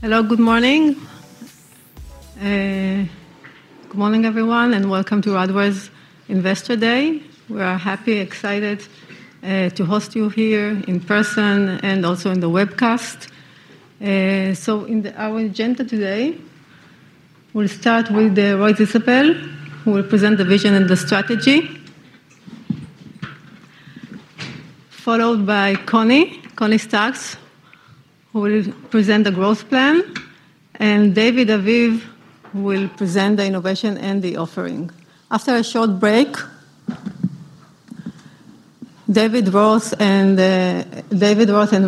Hello, good morning. Good morning, everyone, and welcome to Radware's Investor Day. We are happy, excited, to host you here in person and also on the webcast. So in our agenda today, we'll start with Roy Zisapel, who will present the vision and the strategy. Followed by Connie Stack, who will present the growth plan, and David Aviv, who will present the innovation and the offering. After a short break, David Roth and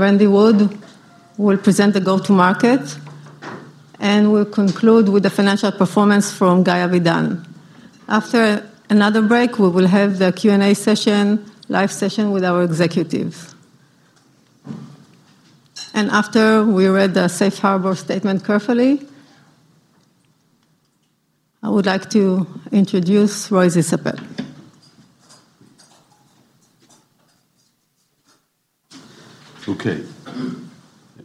Randy Wood will present the go-to market, and we'll conclude with the financial performance from Guy Avidan. After another break, we will have the Q&A session, live session with our executives. And after we read the safe harbor statement carefully, I would like to introduce Roy Zisapel. Okay.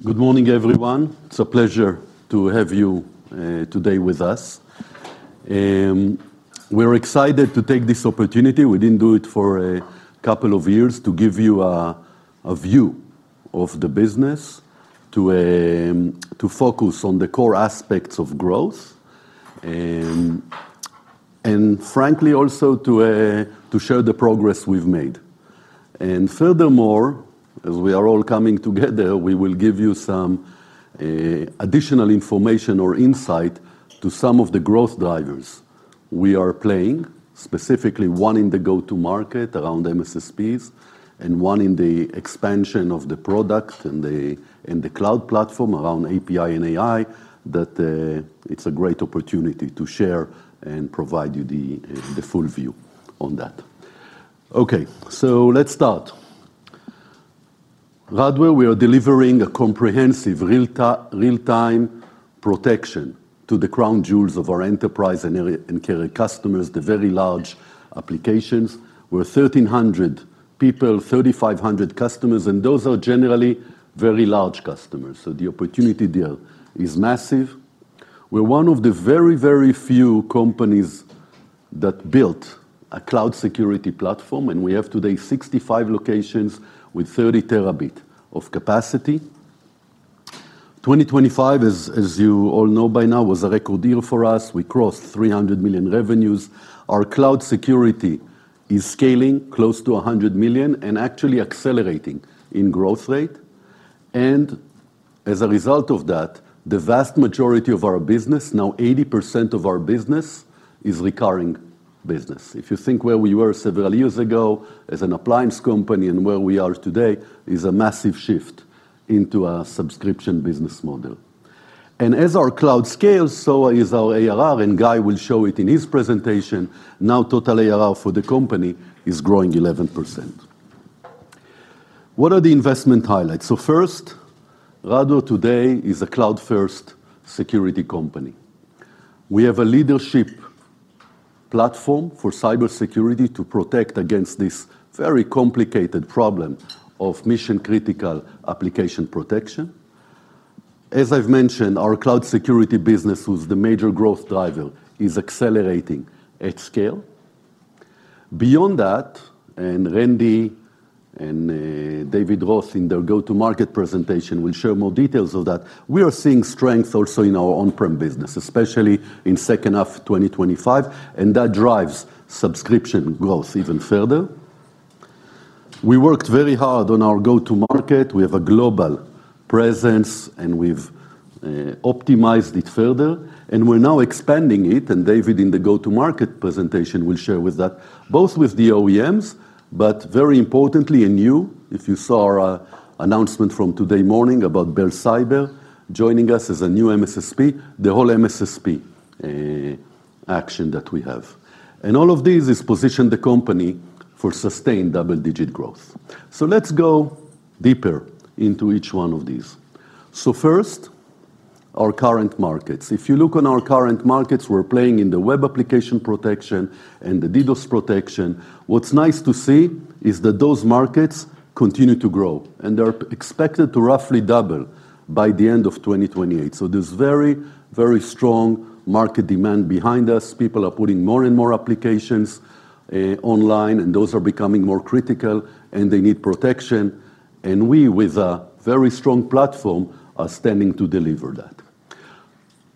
Good morning, everyone. It's a pleasure to have you today with us. We're excited to take this opportunity, we didn't do it for a couple of years, to give you a view of the business, to focus on the core aspects of growth, and frankly, also to show the progress we've made. And furthermore, as we are all coming together, we will give you some additional information or insight to some of the growth drivers we are playing, specifically one in the go-to market around MSSPs, and one in the expansion of the product and the cloud platform around API and AI, that it's a great opportunity to share and provide you the full view on that. Okay, so let's start. Radware, we are delivering a comprehensive, real-time protection to the crown jewels of our enterprise and carrier customers, the very large applications. We're 1,300 people, 3,500 customers, and those are generally very large customers, so the opportunity there is massive. We're one of the very, very few companies that built a cloud security platform, and we have today 65 locations with 30 terabit of capacity. 2025, as you all know by now, was a record year for us. We crossed $300 million revenues. Our cloud security is scaling close to $100 million and actually accelerating in growth rate, and as a result of that, the vast majority of our business, now 80% of our business, is recurring business. If you think where we were several years ago as an appliance company and where we are today is a massive shift into a subscription business model. And as our cloud scales, so is our ARR, and Guy will show it in his presentation. Now, total ARR for the company is growing 11%. What are the investment highlights? So first, Radware today is a cloud-first security company. We have a leadership platform for cybersecurity to protect against this very complicated problem of mission-critical application protection. As I've mentioned, our cloud security business was the major growth driver, is accelerating at scale. Beyond that, and Randy and David Roth in their go-to-market presentation will share more details of that, we are seeing strength also in our on-prem business, especially in second half of 2025, and that drives subscription growth even further. We worked very hard on our go-to market. We have a global presence, and we've optimized it further, and we're now expanding it, and David, in the go-to market presentation, will share with that, both with the OEMs, but very importantly in you. If you saw our announcement from today morning about Bell Cyber joining us as a new MSSP, the whole MSSP action that we have. And all of this has positioned the company for sustained double-digit growth. So let's go deeper into each one of these. So first, our current markets. If you look on our current markets, we're playing in the web application protection and the DDoS protection. What's nice to see is that those markets continue to grow, and they're expected to roughly double by the end of 2028. So there's very, very strong market demand behind us. People are putting more and more applications online, and those are becoming more critical, and they need protection, and we, with a very strong platform, are standing to deliver that.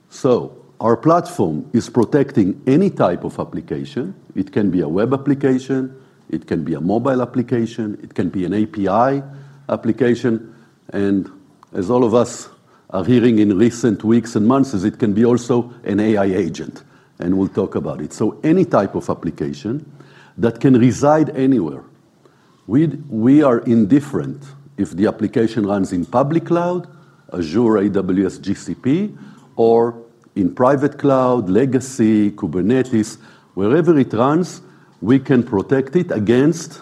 So our platform is protecting any type of application. It can be a web application, it can be a mobile application, it can be an API application, and as all of us are hearing in recent weeks and months, is it can be also an AI agent, and we'll talk about it. So any type of application that can reside anywhere. We, we are indifferent if the application runs in public cloud, Azure, AWS, GCP, or in private cloud, legacy, Kubernetes. Wherever it runs, we can protect it against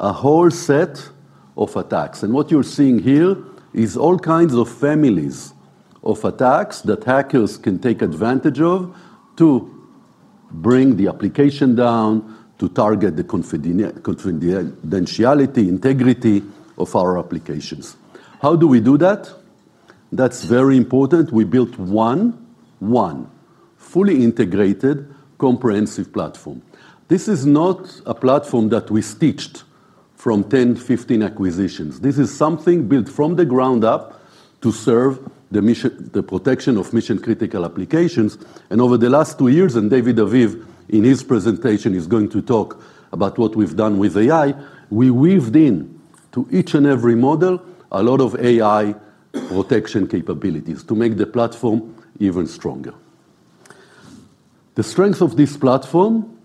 a whole set of attacks. And what you're seeing here is all kinds of families of attacks that hackers can take advantage of to-... Bring the application down to target the confidentiality, integrity of our applications. How do we do that? That's very important. We built one fully integrated, comprehensive platform. This is not a platform that we stitched from 10, 15 acquisitions. This is something built from the ground up to serve the mission, the protection of mission-critical applications. And over the last two years, and David Aviv, in his presentation, is going to talk about what we've done with AI, we've weaved into each and every model a lot of AI protection capabilities to make the platform even stronger. The strength of this platform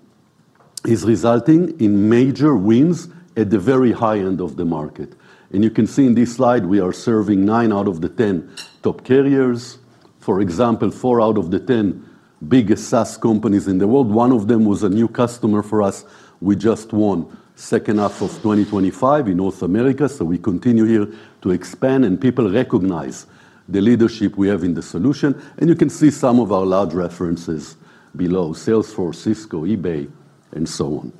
is resulting in major wins at the very high end of the market. And you can see in this slide, we are serving nine out of the 10 top carriers. For example, four out of the 10 biggest SaaS companies in the world. One of them was a new customer for us. We just won second half of 2025 in North America, so we continue here to expand, and people recognize the leadership we have in the solution. And you can see some of our large references below: Salesforce, Cisco, eBay, and so on.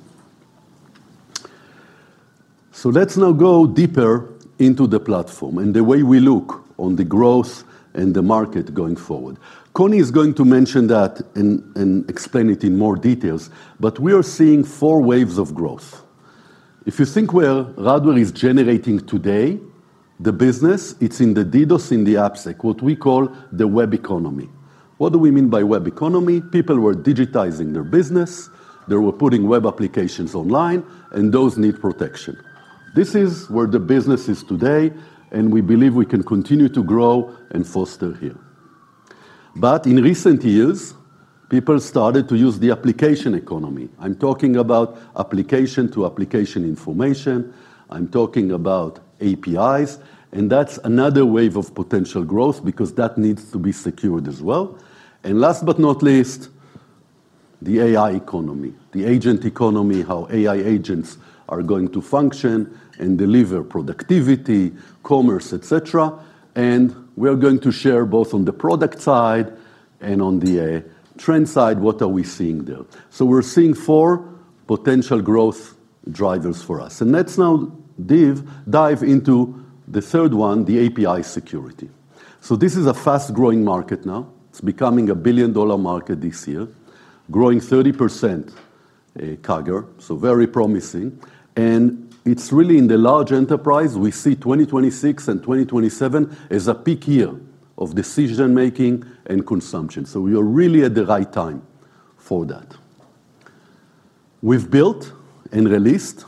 So let's now go deeper into the platform and the way we look on the growth and the market going forward. Connie is going to mention that and, and explain it in more details, but we are seeing four waves of growth. If you think where Radware is generating today, the business, it's in the DDoS, in the AppSec, what we call the web economy. What do we mean by web economy? People were digitizing their business, they were putting web applications online, and those need protection. This is where the business is today, and we believe we can continue to grow and foster here. But in recent years, people started to use the application economy. I'm talking about application-to-application information. I'm talking about APIs, and that's another wave of potential growth because that needs to be secured as well. And last but not least, the AI economy, the agent economy, how AI agents are going to function and deliver productivity, commerce, et cetera. And we are going to share both on the product side and on the, trend side, what are we seeing there? We're seeing four potential growth drivers for us. Let's now dive into the third one, the API security. This is a fast-growing market now. It's becoming a billion-dollar market this year, growing 30% CAGR, so very promising. It's really in the large enterprise. We see 2026 and 2027 as a peak year of decision-making and consumption, so we are really at the right time for that. We've built and released,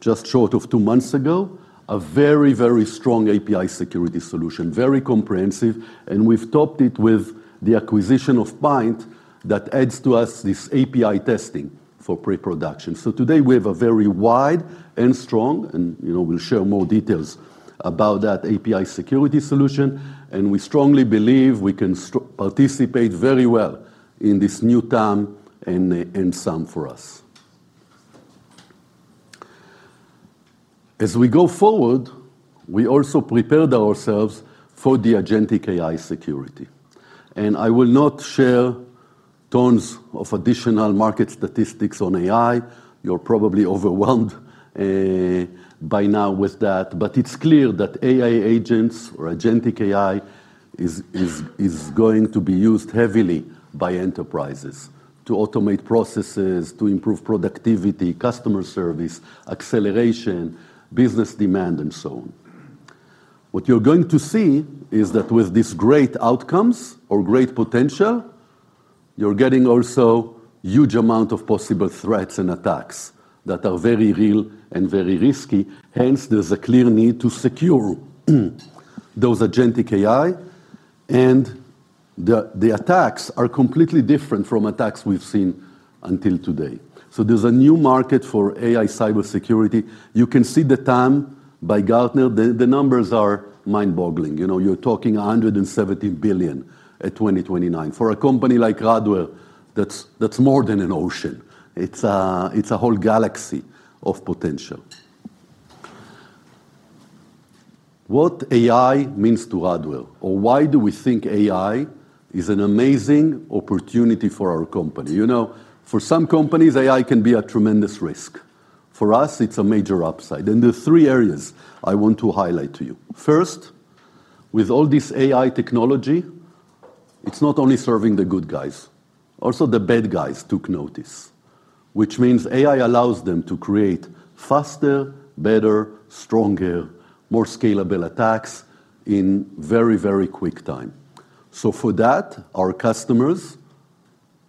just short of two months ago, a very, very strong API security solution. Very comprehensive, and we've topped it with the acquisition of Pynt that adds to us this API testing for pre-production. So today we have a very wide and strong, and, you know, we'll share more details about that API security solution, and we strongly believe we can participate very well in this new TAM and SAM for us. As we go forward, we also prepared ourselves for the agentic AI security, and I will not share tons of additional market statistics on AI. You're probably overwhelmed by now with that. But it's clear that AI agents or Agentic AI is going to be used heavily by enterprises to automate processes, to improve productivity, customer service, acceleration, business demand, and so on. What you're going to see is that with these great outcomes or great potential, you're getting also huge amount of possible threats and attacks that are very real and very risky. Hence, there's a clear need to secure those Agentic AI, and the attacks are completely different from attacks we've seen until today. So there's a new market for AI cybersecurity. You can see the TAM by Gartner. The numbers are mind-boggling. You know, you're talking $170 billion in 2029. For a company like Radware, that's more than an ocean. It's a whole galaxy of potential. What AI means to Radware, or why do we think AI is an amazing opportunity for our company? You know, for some companies, AI can be a tremendous risk. For us, it's a major upside, and there are three areas I want to highlight to you. First, with all this AI technology, it's not only serving the good guys. Also, the bad guys took notice, which means AI allows them to create faster, better, stronger, more scalable attacks in very, very quick time. So for that, our customers,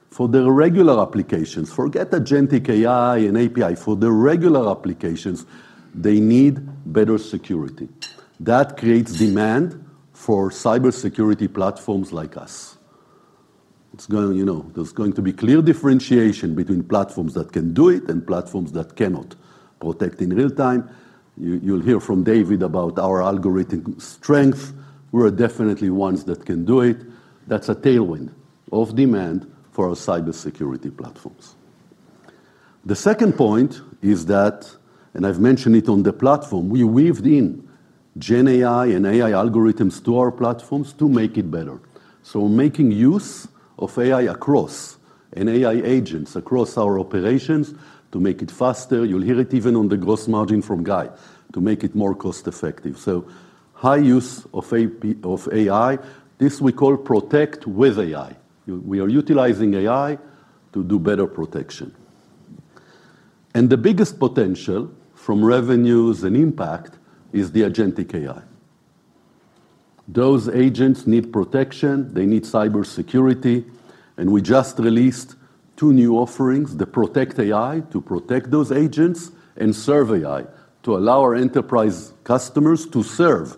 for their regular applications, forget Agentic AI and API. For their regular applications, they need better security. That creates demand for cybersecurity platforms like us. It's going, you know, there's going to be clear differentiation between platforms that can do it and platforms that cannot protect in real time. You, you'll hear from David about our algorithmic strength. We're definitely ones that can do it. That's a tailwind of demand for our cybersecurity platforms. The second point is that, and I've mentioned it on the platform, we've weaved in GenAI and AI algorithms to our platforms to make it better. So making use of AI across, and AI agents across our operations to make it faster. You'll hear it even on the gross margin from Guy, to make it more cost-effective. So high use of AI, this we call Protect with AI. We are utilizing AI to do better protection. And the biggest potential from revenues and impact is the agentic AI. Those agents need protection, they need cybersecurity, and we just released two new offerings, the Protect AI, to protect those agents, and Serve AI, to allow our enterprise customers to serve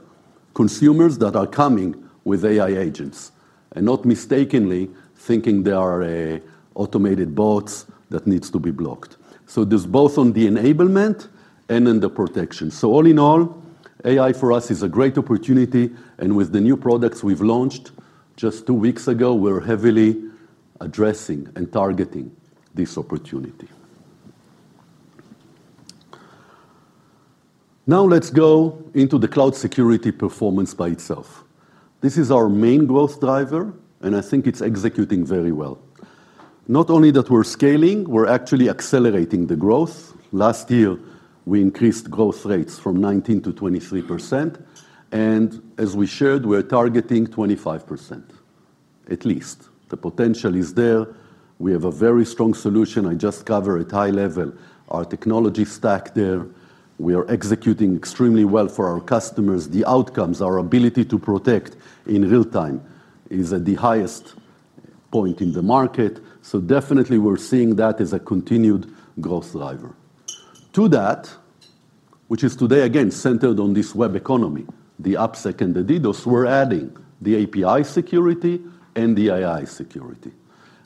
consumers that are coming with AI agents, and not mistakenly thinking they are automated bots that needs to be blocked. So there's both on the enablement and in the protection. So all in all, AI for us is a great opportunity, and with the new products we've launched just two weeks ago, we're heavily addressing and targeting this opportunity. Now let's go into the cloud security performance by itself. This is our main growth driver, and I think it's executing very well. Not only that we're scaling, we're actually accelerating the growth. Last year, we increased growth rates from 19%-23%, and as we shared, we're targeting 25% at least. The potential is there. We have a very strong solution. I just covered at high level our technology stack there. We are executing extremely well for our customers. The outcomes, our ability to protect in real time is at the highest point in the market, so definitely we're seeing that as a continued growth driver. To that, which is today, again, centered on this web economy, the AppSec and the DDoS, we're adding the API security and the AI security.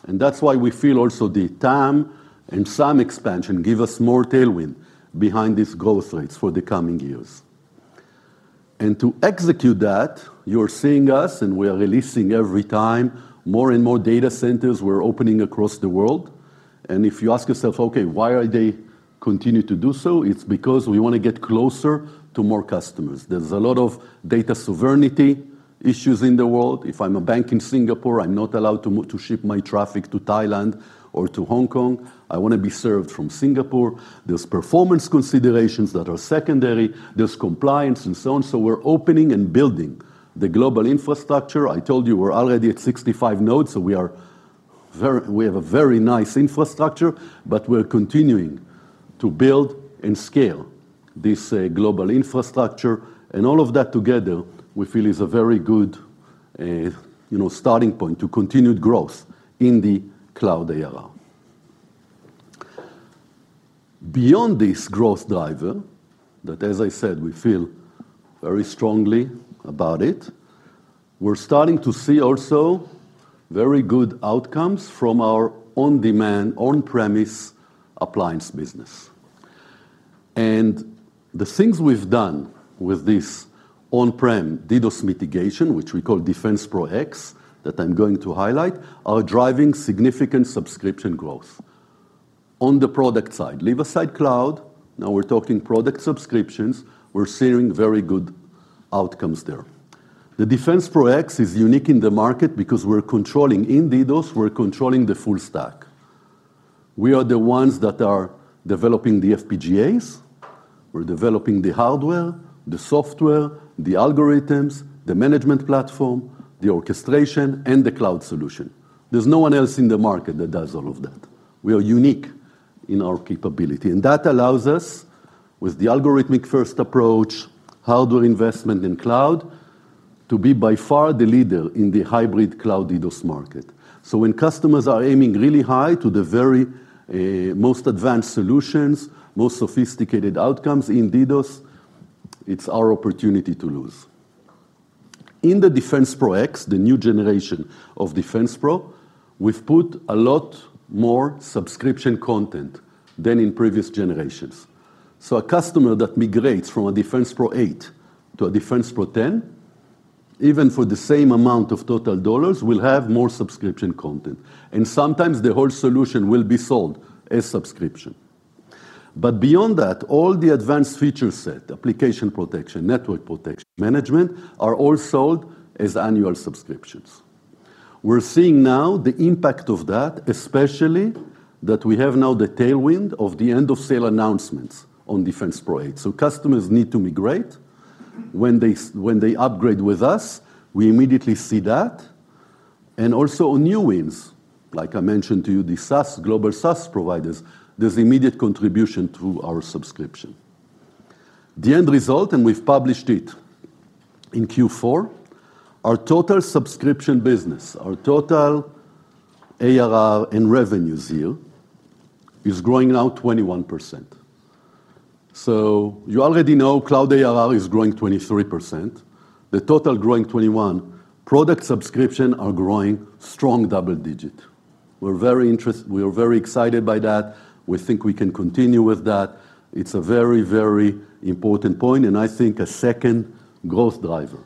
That's why we feel also the TAM and SAM expansion give us more tailwind behind these growth rates for the coming years. To execute that, you're seeing us, and we are releasing every time more and more data centers we're opening across the world. If you ask yourself, "Okay, why are they continue to do so?" It's because we want to get closer to more customers. There's a lot of data sovereignty issues in the world. If I'm a bank in Singapore, I'm not allowed to ship my traffic to Thailand or to Hong Kong. I want to be served from Singapore. There's performance considerations that are secondary. There's compliance, and so on. So we're opening and building the global infrastructure. I told you we're already at 65 nodes, so we are very... We have a very nice infrastructure, but we're continuing to build and scale this global infrastructure, and all of that together, we feel is a very good, you know, starting point to continued growth in the cloud era. Beyond this growth driver, that, as I said, we feel very strongly about it, we're starting to see also very good outcomes from our on-demand, on-premises appliance business. The things we've done with this on-prem DDoS mitigation, which we call DefensePro X, that I'm going to highlight, are driving significant subscription growth. On the product side, leave aside cloud, now we're talking product subscriptions, we're seeing very good outcomes there. The DefensePro X is unique in the market because we're controlling in DDoS, we're controlling the full stack. We are the ones that are developing the FPGAs. We're developing the hardware, the software, the algorithms, the management platform, the orchestration, and the cloud solution. There's no one else in the market that does all of that. We are unique in our capability, and that allows us, with the algorithmic-first approach, hardware investment in cloud, to be by far the leader in the hybrid cloud DDoS market. So when customers are aiming really high to the very, most advanced solutions, most sophisticated outcomes in DDoS, it's our opportunity to lose. In the DefensePro X, the new generation of DefensePro, we've put a lot more subscription content than in previous generations. So a customer that migrates from a DefensePro 8 to a DefensePro 10, even for the same amount of total dollars, will have more subscription content, and sometimes the whole solution will be sold as subscription. But beyond that, all the advanced feature set, application protection, network protection, management, are all sold as annual subscriptions. We're seeing now the impact of that, especially that we have now the tailwind of the end-of-sale announcements on DefensePro 8. So customers need to migrate. When they upgrade with us, we immediately see that. Also on new wins, like I mentioned to you, the SaaS, global SaaS providers, there's immediate contribution to our subscription. The end result, and we've published it in Q4, our total subscription business, our total ARR and revenues yield is growing now 21%. So you already know cloud ARR is growing 23%. The total growing 21%. Product subscription are growing strong double digit. We're very interested—we are very excited by that. We think we can continue with that. It's a very, very important point, and I think a second growth driver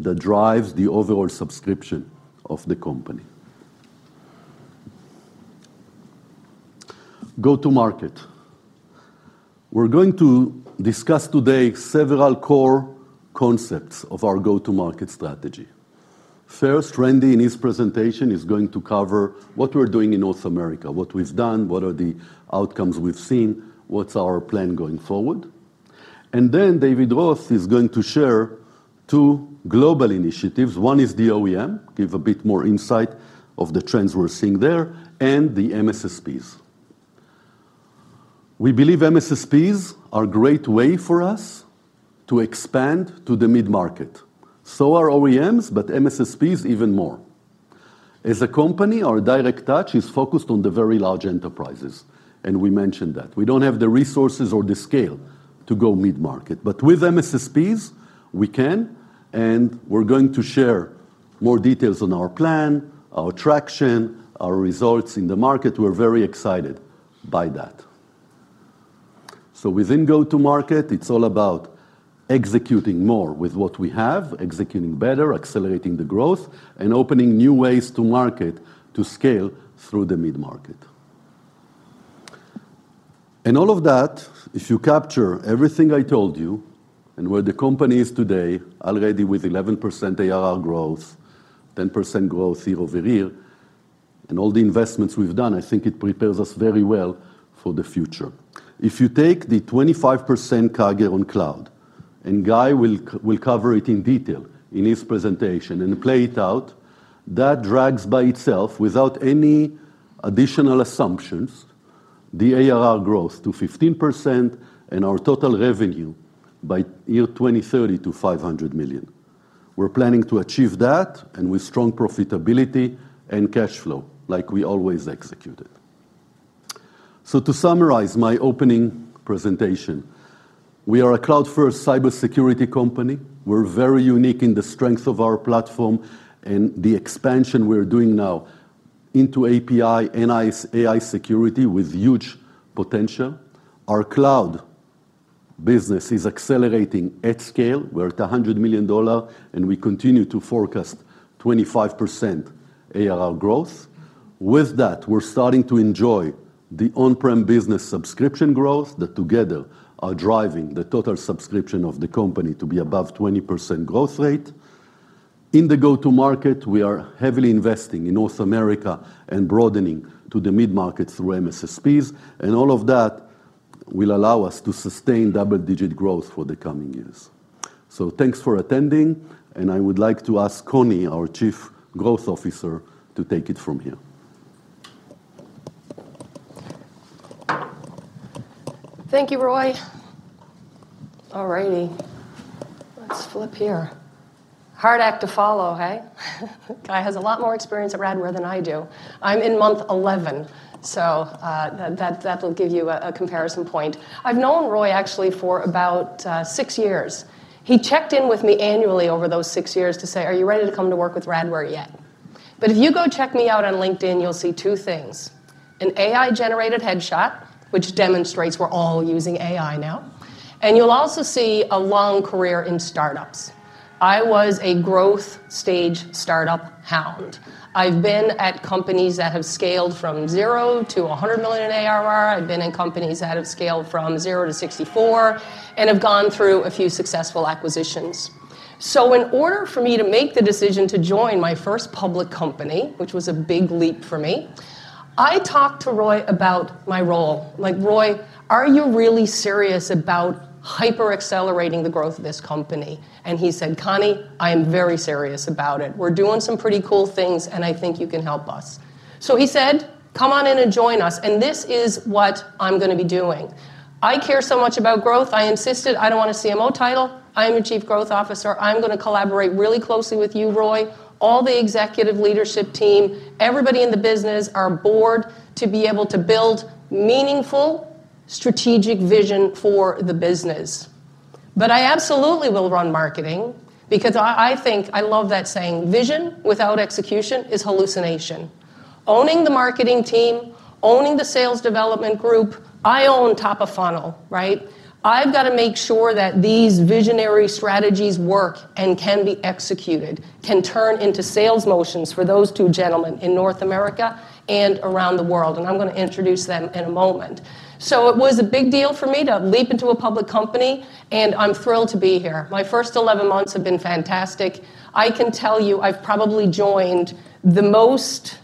that drives the overall subscription of the company. Go-to-market. We're going to discuss today several core concepts of our go-to-market strategy. First, Randy, in his presentation, is going to cover what we're doing in North America, what we've done, what are the outcomes we've seen, what's our plan going forward? Then David Roth is going to share two global initiatives. One is the OEM, give a bit more insight of the trends we're seeing there, and the MSSPs. We believe MSSPs are a great way for us to expand to the mid-market. So are OEMs, but MSSPs even more. As a company, our direct touch is focused on the very large enterprises, and we mentioned that. We don't have the resources or the scale to go mid-market, but with MSSPs, we can, and we're going to share more details on our plan, our traction, our results in the market. We're very excited by that. So within go-to-market, it's all about executing more with what we have, executing better, accelerating the growth, and opening new ways to market to scale through the mid-market. All of that, if you capture everything I told you and where the company is today, already with 11% ARR growth, 10% growth year-over-year, and all the investments we've done, I think it prepares us very well for the future. If you take the 25% CAGR on cloud, and Guy will cover it in detail in his presentation, and play it out, that drags by itself, without any additional assumptions, the ARR growth to 15% and our total revenue by 2030 to $500 million. We're planning to achieve that, and with strong profitability and cash flow, like we always executed. So to summarize my opening presentation, we are a cloud-first cybersecurity company. We're very unique in the strength of our platform and the expansion we're doing now into API and AI security with huge potential. Our cloud business is accelerating at scale. We're at a $100 million, and we continue to forecast 25% ARR growth. With that, we're starting to enjoy the on-prem business subscription growth that together are driving the total subscription of the company to be above 20% growth rate. In the go-to-market, we are heavily investing in North America and broadening to the mid-market through MSSPs, and all of that will allow us to sustain double-digit growth for the coming years. So thanks for attending, and I would like to ask Connie, our Chief Growth Officer, to take it from here. Thank you, Roy. All righty, let's flip here. Hard act to follow, hey? Guy has a lot more experience at Radware than I do. I'm in month 11, so, that, that'll give you a comparison point. I've known Roy actually for about six years. He checked in with me annually over those six years to say: "Are you ready to come to work with Radware yet?" But if you go check me out on LinkedIn, you'll see two things: an AI-generated headshot, which demonstrates we're all using AI now, and you'll also see a long career in startups. I was a growth stage startup hound. I've been at companies that have scaled from zero to 100 million in ARR. I've been in companies that have scaled from zero to 64 and have gone through a few successful acquisitions. So in order for me to make the decision to join my first public company, which was a big leap for me, I talked to Roy about my role. Like: "Roy, are you really serious about hyper-accelerating the growth of this company?" And he said: "Connie, I am very serious about it. We're doing some pretty cool things, and I think you can help us." So he said, "Come on in and join us," and this is what I'm gonna be doing. I care so much about growth, I insisted I don't want a CMO title. I am a Chief Growth Officer. I'm gonna collaborate really closely with you, Roy, all the executive leadership team, everybody in the business, our board, to be able to build meaningful strategic vision for the business. But I absolutely will run marketing because I, I think... I love that saying, "Vision without execution is hallucination." Owning the marketing team, owning the sales development group, I own top of funnel, right? I've got to make sure that these visionary strategies work and can be executed, can turn into sales motions for those two gentlemen in North America and around the world, and I'm gonna introduce them in a moment. So it was a big deal for me to leap into a public company, and I'm thrilled to be here. My first 11 months have been fantastic. I can tell you, I've probably joined the most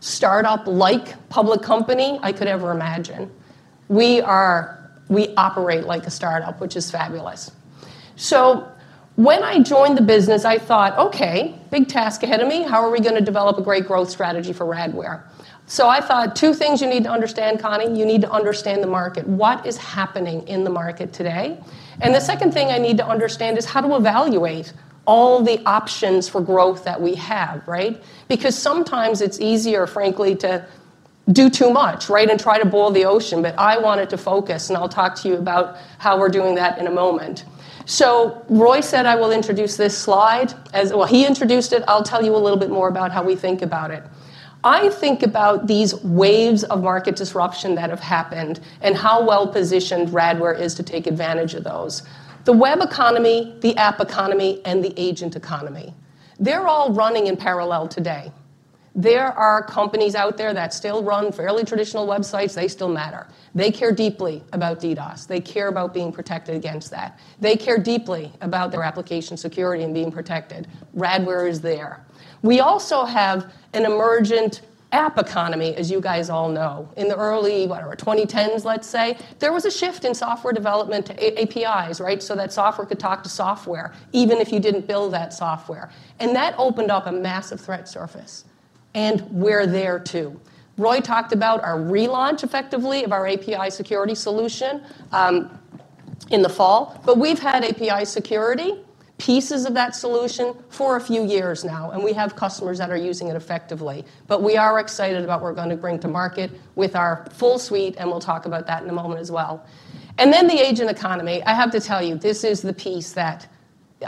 startup-like public company I could ever imagine. We operate like a startup, which is fabulous. So when I joined the business, I thought, "Okay, big task ahead of me. How are we gonna develop a great growth strategy for Radware?" So I thought, two things you need to understand, Connie: You need to understand the market. What is happening in the market today? And the second thing I need to understand is how to evaluate all the options for growth that we have, right? Because sometimes it's easier, frankly, to do too much, right, and try to boil the ocean, but I wanted to focus, and I'll talk to you about how we're doing that in a moment. So Roy said I will introduce this slide as... Well, he introduced it. I'll tell you a little bit more about how we think about it... I think about these waves of market disruption that have happened and how well-positioned Radware is to take advantage of those. The web economy, the app economy, and the agent economy they're all running in parallel today. There are companies out there that still run fairly traditional websites. They still matter. They care deeply about DDoS. They care about being protected against that. They care deeply about their application security and being protected. Radware is there. We also have an emergent app economy, as you guys all know. In the early, what, 2010s, let's say, there was a shift in software development to APIs, right? So that software could talk to software, even if you didn't build that software, and that opened up a massive threat surface, and we're there, too. Roy talked about our relaunch, effectively, of our API security solution, in the fall, but we've had API security, pieces of that solution, for a few years now, and we have customers that are using it effectively. But we are excited about what we're going to bring to market with our full suite, and we'll talk about that in a moment as well. And then the agent economy, I have to tell you, this is the piece that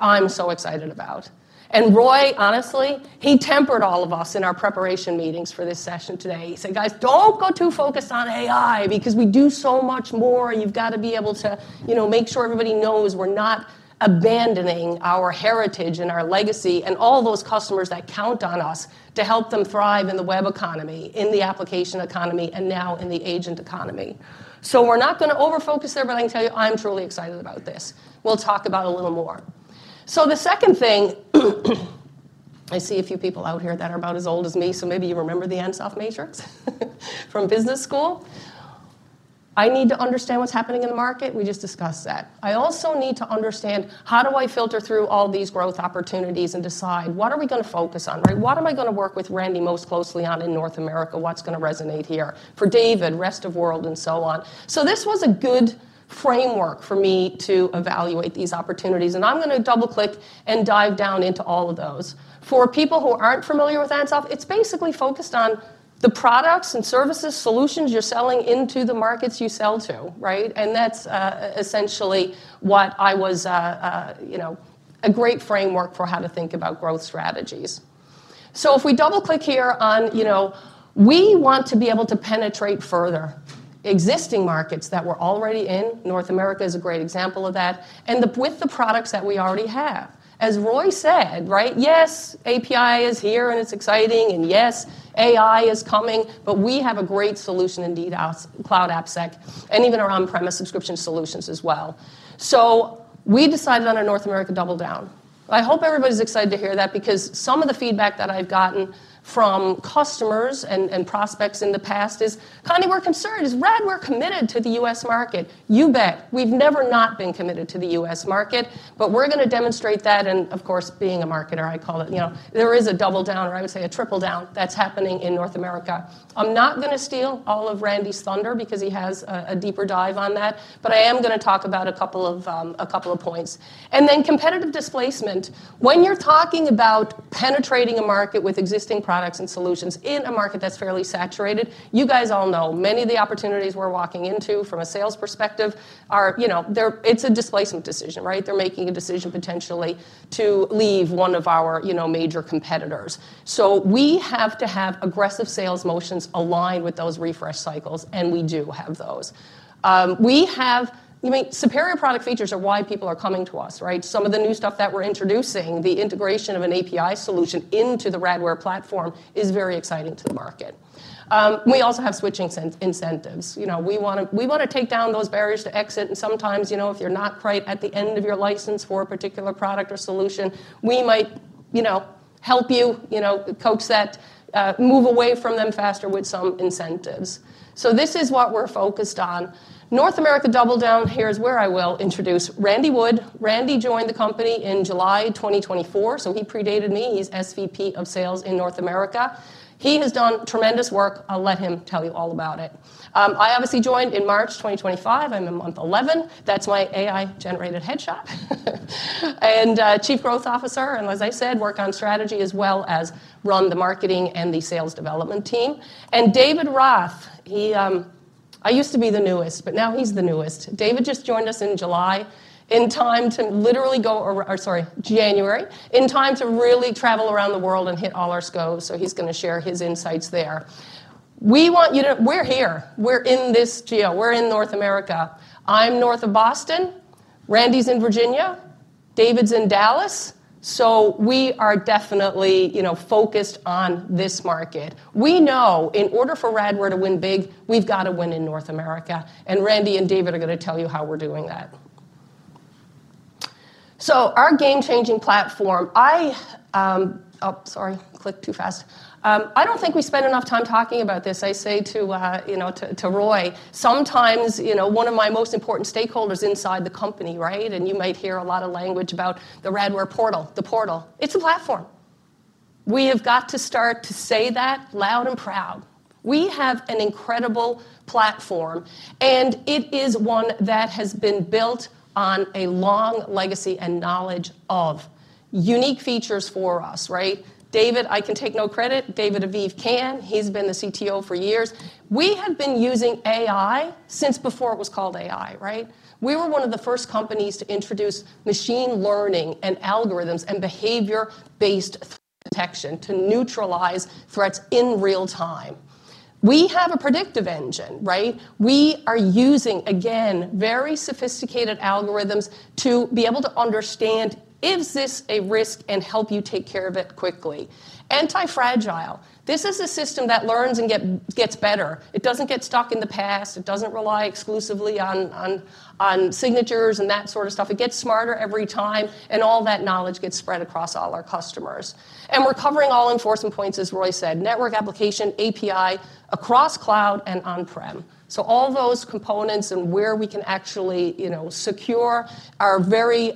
I'm so excited about. And Roy, honestly, he tempered all of us in our preparation meetings for this session today. He said: "Guys, don't go too focused on AI, because we do so much more. You've got to be able to, you know, make sure everybody knows we're not abandoning our heritage, and our legacy, and all those customers that count on us to help them thrive in the web economy, in the application economy, and now in the agent economy." So we're not going to over-focus there, but I can tell you I'm truly excited about this. We'll talk about it a little more. So the second thing, I see a few people out here that are about as old as me, so maybe you remember the Ansoff Matrix from business school. I need to understand what's happening in the market. We just discussed that. I also need to understand: How do I filter through all these growth opportunities and decide what are we going to focus on, right? What am I going to work with Randy most closely on in North America? What's going to resonate here? For Dave, rest of world, and so on. So this was a good framework for me to evaluate these opportunities, and I'm going to double-click and dive down into all of those. For people who aren't familiar with Ansoff, it's basically focused on the products and services, solutions you're selling into the markets you sell to, right? And that's essentially what I was. You know, a great framework for how to think about growth strategies. So if we double-click here on, you know, we want to be able to penetrate further existing markets that we're already in. North America is a great example of that, and with the products that we already have. As Roy said, right, yes, API is here, and it's exciting, and yes, AI is coming, but we have a great solution in DDoS, Cloud AppSec, and even our on-premise subscription solutions as well. So we decided on a North America double down. I hope everybody's excited to hear that, because some of the feedback that I've gotten from customers and prospects in the past is, "Connie, we're concerned. Is Radware committed to the U.S. market?" You bet. We've never not been committed to the U.S. market, but we're going to demonstrate that. And, of course, being a marketer, I call it, you know, there is a double down, or I would say a triple down, that's happening in North America. I'm not going to steal all of Randy's thunder because he has a deeper dive on that, but I am going to talk about a couple of points. Then competitive displacement. When you're talking about penetrating a market with existing products and solutions in a market that's fairly saturated, you guys all know, many of the opportunities we're walking into, from a sales perspective, are, you know, they're... It's a displacement decision, right? They're making a decision, potentially, to leave one of our, you know, major competitors. So we have to have aggressive sales motions aligned with those refresh cycles, and we do have those. We have. I mean, superior product features are why people are coming to us, right? Some of the new stuff that we're introducing, the integration of an API solution into the Radware platform, is very exciting to the market. We also have switching incentives. You know, we want to, we want to take down those barriers to exit, and sometimes, you know, if you're not quite at the end of your license for a particular product or solution, we might, you know, help you, you know, coax that, move away from them faster with some incentives. So this is what we're focused on. North America double down. Here's where I will introduce Randy Wood. Randy joined the company in July 2024, so he predated me. He's SVP of sales in North America. He has done tremendous work. I'll let him tell you all about it. I obviously joined in March 2025. I'm in month 11. That's my AI-generated headshot. Chief Growth Officer, and as I said, work on strategy as well as run the marketing and the sales development team. And David Roth, he, I used to be the newest, but now he's the newest. David just joined us in July, in time to literally go around- or, sorry, January, in time to really travel around the world and hit all our skos. So he's going to share his insights there. We're here. We're in this geo. We're in North America. I'm north of Boston. Randy's in Virginia. David's in Dallas. So we are definitely, you know, focused on this market. We know, in order for Radware to win big, we've got to win in North America, and Randy and David are going to tell you how we're doing that. So our game-changing platform, I... Oh, sorry, clicked too fast. I don't think we spend enough time talking about this. I say to, you know, to Roy, sometimes, you know, one of my most important stakeholders inside the company, right? You might hear a lot of language about the Radware portal, the portal. It's a platform. We have got to start to say that loud and proud. We have an incredible platform, and it is one that has been built on a long legacy and knowledge of unique features for us, right? David, I can take no credit. David Aviv can. He's been the CTO for years. We have been using AI since before it was called AI, right? We were one of the first companies to introduce machine learning and algorithms and behavior-based threat detection to neutralize threats in real time. We have a predictive engine, right? We are using, again, very sophisticated algorithms to be able to understand, is this a risk, and help you take care of it quickly. Anti-fragile, this is a system that learns and gets better. It doesn't get stuck in the past, it doesn't rely exclusively on signatures and that sort of stuff. It gets smarter every time, and all that knowledge gets spread across all our customers. And we're covering all enforcement points, as Roy said, network application, API, across cloud and on-prem. So all those components and where we can actually, you know, secure are very.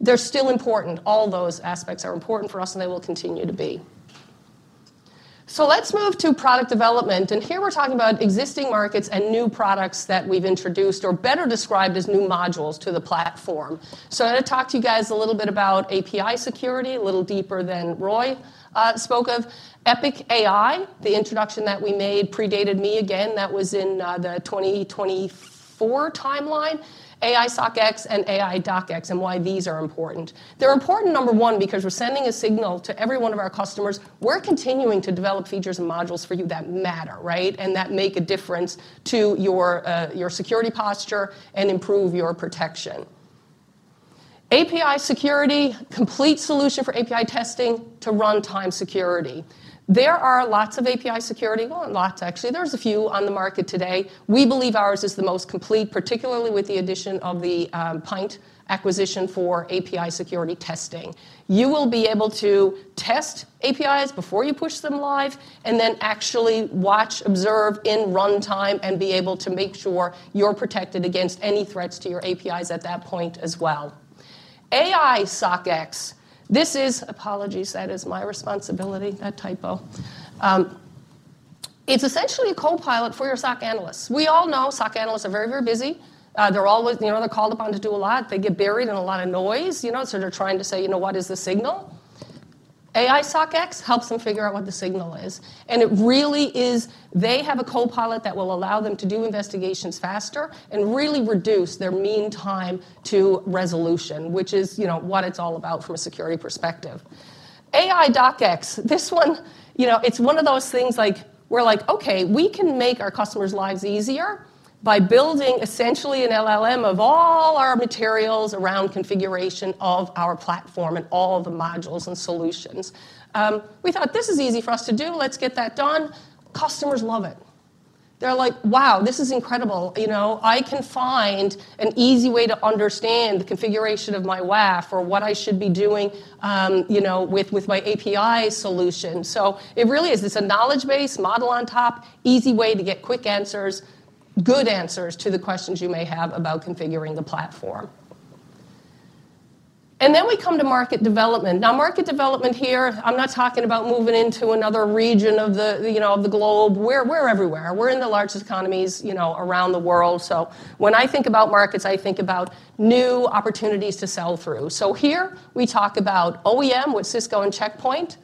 They're still important. All those aspects are important for us, and they will continue to be. So let's move to product development, and here we're talking about existing markets and new products that we've introduced, or better described, as new modules to the platform. I'm gonna talk to you guys a little bit about API security, a little deeper than Roy spoke of. EPIC-AI, the introduction that we made predated me again. That was in the 2024 timeline. AI SOC X and AI DOC X, and why these are important. They're important, number one, because we're sending a signal to every one of our customers: We're continuing to develop features and modules for you that matter, right? And that make a difference to your your security posture and improve your protection. API security, complete solution for API testing to runtime security. There are lots of API security... well, not lots, actually. There's a few on the market today. We believe ours is the most complete, particularly with the addition of the Pynt acquisition for API security testing. You will be able to test APIs before you push them live, and then actually watch, observe in runtime, and be able to make sure you're protected against any threats to your APIs at that point as well. AI SOC X, apologies, that is my responsibility, that typo. It's essentially a copilot for your SOC analysts. We all know SOC analysts are very, very busy. They're always, you know, they're called upon to do a lot. They get buried in a lot of noise, you know, so they're trying to say, "You know what? What is the signal?" AI SOC X helps them figure out what the signal is, and it really is they have a copilot that will allow them to do investigations faster and really reduce their mean time to resolution, which is, you know, what it's all about from a security perspective. AI DOC X. This one, you know, it's one of those things like... we're like, "Okay, we can make our customers' lives easier by building essentially an LLM of all our materials around configuration of our platform and all of the modules and solutions." We thought, "This is easy for us to do. Let's get that done." Customers love it. They're like: "Wow, this is incredible. You know, I can find an easy way to understand the configuration of my WAF or what I should be doing, you know, with, with my API solution." So it really is. It's a knowledge-based model on top. Easy way to get quick answers, good answers to the questions you may have about configuring the platform. And then we come to market development. Now, market development here, I'm not talking about moving into another region of the, you know, of the globe. We're everywhere. We're in the largest economies, you know, around the world. So when I think about markets, I think about new opportunities to sell through. So here we talk about OEM with Cisco and Check Point.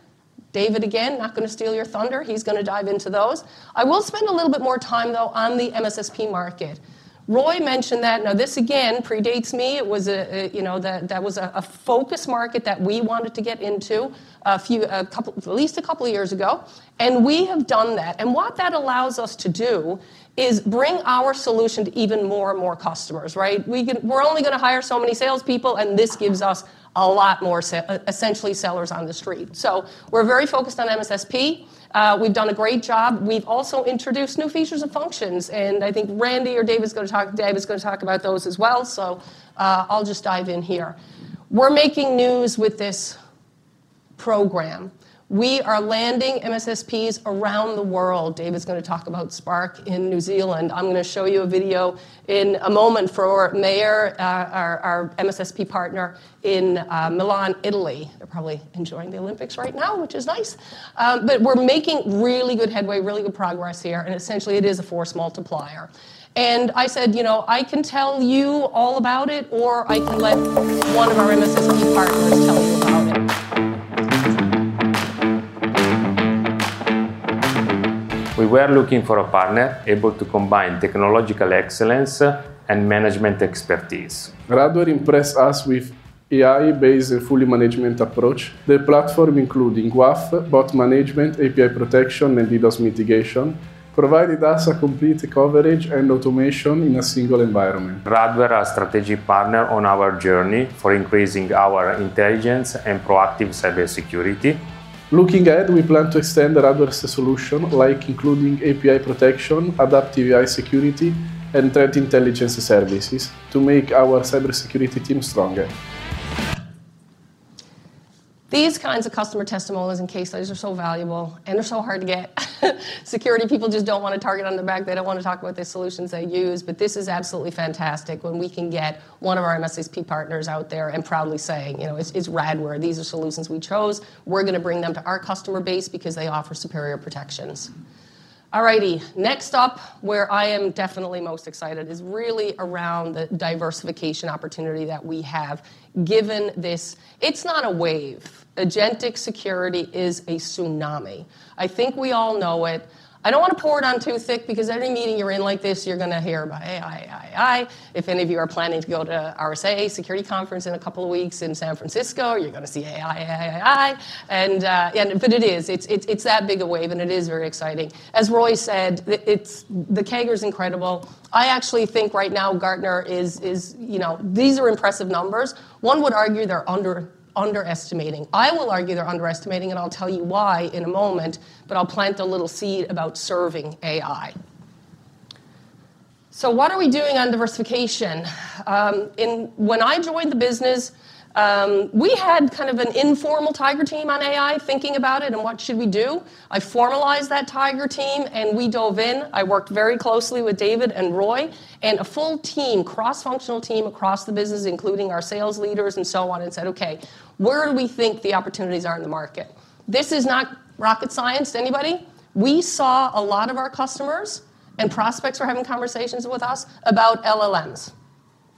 David, again, not gonna steal your thunder. He's gonna dive into those. I will spend a little bit more time, though, on the MSSP market. Roy mentioned that. Now, this again predates me. It was a, you know, that was a focus market that we wanted to get into a few, at least a couple of years ago, and we have done that. And what that allows us to do is bring our solution to even more and more customers, right? We're only gonna hire so many salespeople, and this gives us a lot more essentially sellers on the street. We're very focused on MSSP. We've done a great job. We've also introduced new features and functions, and I think Randy or David's gonna talk-- David's gonna talk about those as well, so, I'll just dive in here. We're making news with this program. We are landing MSSPs around the world. David's gonna talk about Spark in New Zealand. I'm gonna show you a video in a moment for MAIRE, our MSSP partner in Milan, Italy. They're probably enjoying the Olympics right now, which is nice. But we're making really good headway, really good progress here, and essentially it is a force multiplier. And I said, "You know, I can tell you all about it, or I can let one of our MSSP partners tell you about it. We were looking for a partner able to combine technological excellence, and management expertise. Radware impressed us with AI-based and fully managed approach. The platform, including WAF, bot management, API protection, and DDoS mitigation, provided us a complete coverage and automation in a single environment. Radware, a strategic partner on our journey for increasing our intelligence and proactive cybersecurity. Looking ahead, we plan to extend Radware's solution, like including API protection, adaptive AI security, and threat intelligence services, to make our cybersecurity team stronger. These kinds of customer testimonials and case studies are so valuable, and they're so hard to get. Security people just don't want to target on the back. They don't want to talk about the solutions they use, but this is absolutely fantastic when we can get one of our MSSP partners out there and proudly saying, "You know, it's, it's Radware. These are solutions we chose. We're gonna bring them to our customer base because they offer superior protections...." All righty, next up, where I am definitely most excited, is really around the diversification opportunity that we have, given this. It's not a wave. Agentic Security is a tsunami. I think we all know it. I don't wanna pour it on too thick, because every meeting you're in like this, you're gonna hear about AI, AI, AI. If any of you are planning to go to RSA Security Conference in a couple of weeks in San Francisco, you're gonna see AI, AI, AI. And, and but it is. It's that big a wave, and it is very exciting. As Roy said, the CAGR is incredible. I actually think right now, Gartner is. You know, these are impressive numbers. One would argue they're underestimating. I will argue they're underestimating, and I'll tell you why in a moment, but I'll plant the little seed about serving AI. So what are we doing on diversification? When I joined the business, we had kind of an informal tiger team on AI, thinking about it and what should we do. I formalized that tiger team, and we dove in. I worked very closely with David and Roy and a full team, cross-functional team, across the business, including our sales leaders and so on, and said, "Okay, where do we think the opportunities are in the market?" This is not rocket science to anybody. We saw a lot of our customers and prospects were having conversations with us about LLMs.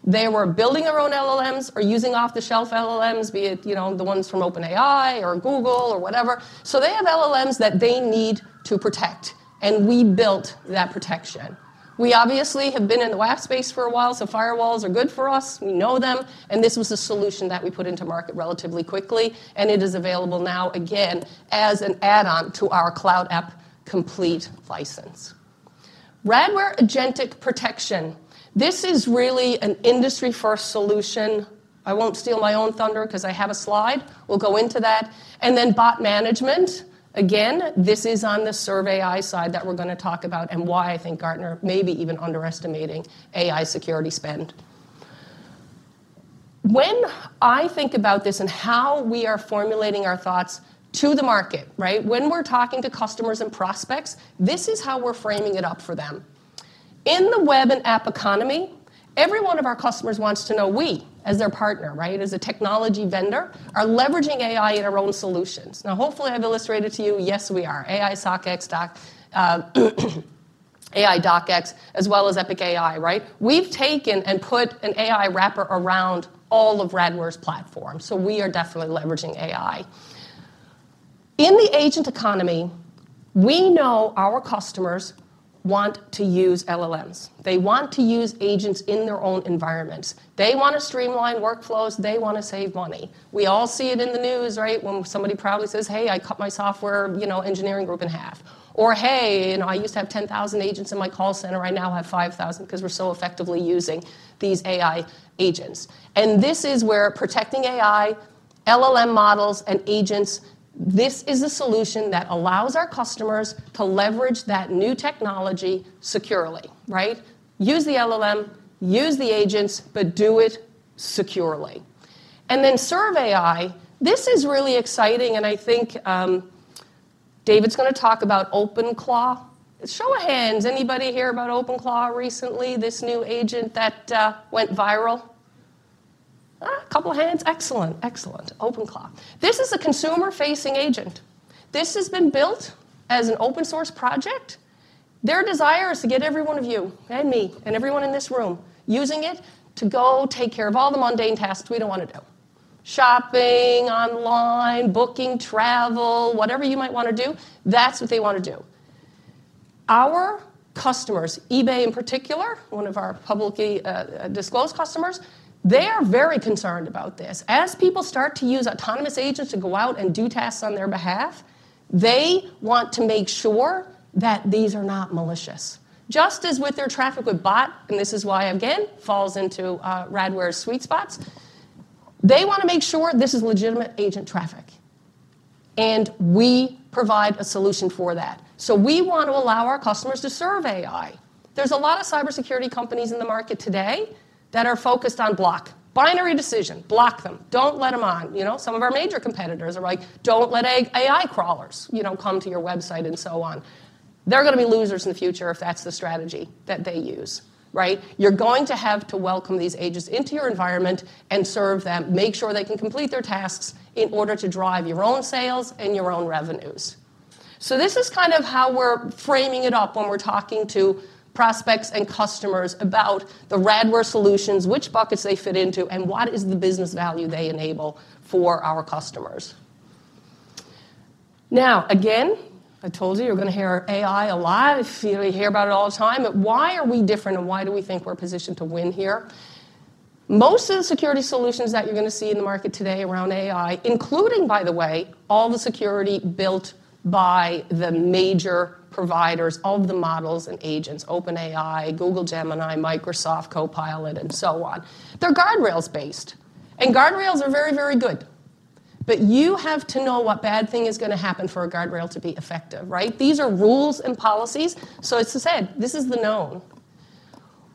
They were building their own LLMs or using off-the-shelf LLMs, be it, you know, the ones from OpenAI or Google or whatever. So they have LLMs that they need to protect, and we built that protection. We obviously have been in the WAF space for a while, so firewalls are good for us. We know them, and this was a solution that we put into market relatively quickly, and it is available now, again, as an add-on to our Cloud App Sec complete license. Radware Agentic Protection, this is really an industry-first solution. I won't steal my own thunder 'cause I have a slide. We'll go into that. And then bot management, again, this is on the Serve AI side that we're gonna talk about and why I think Gartner may be even underestimating AI security spend. When I think about this and how we are formulating our thoughts to the market, right? When we're talking to customers and prospects, this is how we're framing it up for them. In the web and app economy, every one of our customers wants to know we, as their partner, right, as a technology vendor, are leveraging AI in our own solutions. Now, hopefully, I've illustrated to you, yes, we are. AI SOC X, AI DocX, as well as EPIC-AI, right? We've taken and put an AI wrapper around all of Radware's platforms, so we are definitely leveraging AI. In the agent economy, we know our customers want to use LLMs. They want to use agents in their own environments. They wanna streamline workflows. They wanna save money. We all see it in the news, right? When somebody proudly says, "Hey, I cut my software, you know, engineering group in half." Or, "Hey, you know, I used to have 10,000 agents in my call center. I now have 5,000 'cause we're so effectively using these AI agents." And this is where protecting AI, LLM models, and agents, this is a solution that allows our customers to leverage that new technology securely, right? Use the LLM, use the agents, but do it securely. And then Serve AI, this is really exciting, and I think David's gonna talk about OpenClaw. Show of hands, anybody hear about OpenClaw recently, this new agent that went viral? Ah, a couple of hands. Excellent, excellent. OpenClaw. This is a consumer-facing agent. This has been built as an open-source project. Their desire is to get every one of you and me and everyone in this room using it to go take care of all the mundane tasks we don't wanna do: shopping, online, booking travel, whatever you might wanna do, that's what they wanna do. Our customers, eBay in particular, one of our publicly disclosed customers, they are very concerned about this. As people start to use autonomous agents to go out and do tasks on their behalf, they want to make sure that these are not malicious. Just as with their traffic with bot, and this is why, again, falls into Radware's sweet spots, they wanna make sure this is legitimate agent traffic, and we provide a solution for that. So we want to allow our customers to serve AI. There's a lot of cybersecurity companies in the market today that are focused on block. Binary decision, block them. Don't let them on. You know, some of our major competitors are like: "Don't let AI crawlers, you know, come to your website," and so on. They're gonna be losers in the future if that's the strategy that they use, right? You're going to have to welcome these agents into your environment and serve them, make sure they can complete their tasks in order to drive your own sales and your own revenues. This is kind of how we're framing it up when we're talking to prospects and customers about the Radware solutions, which buckets they fit into, and what is the business value they enable for our customers. Now, again, I told you, you're gonna hear AI a lot. You hear about it all the time, but why are we different, and why do we think we're positioned to win here? Most of the security solutions that you're gonna see in the market today around AI, including, by the way, all the security built by the major providers of the models and agents, OpenAI, Google Gemini, Microsoft Copilot, and so on, they're guardrails-based, and guardrails are very, very good. But you have to know what bad thing is gonna happen for a guardrail to be effective, right? These are rules and policies, so it's to say, this is the known.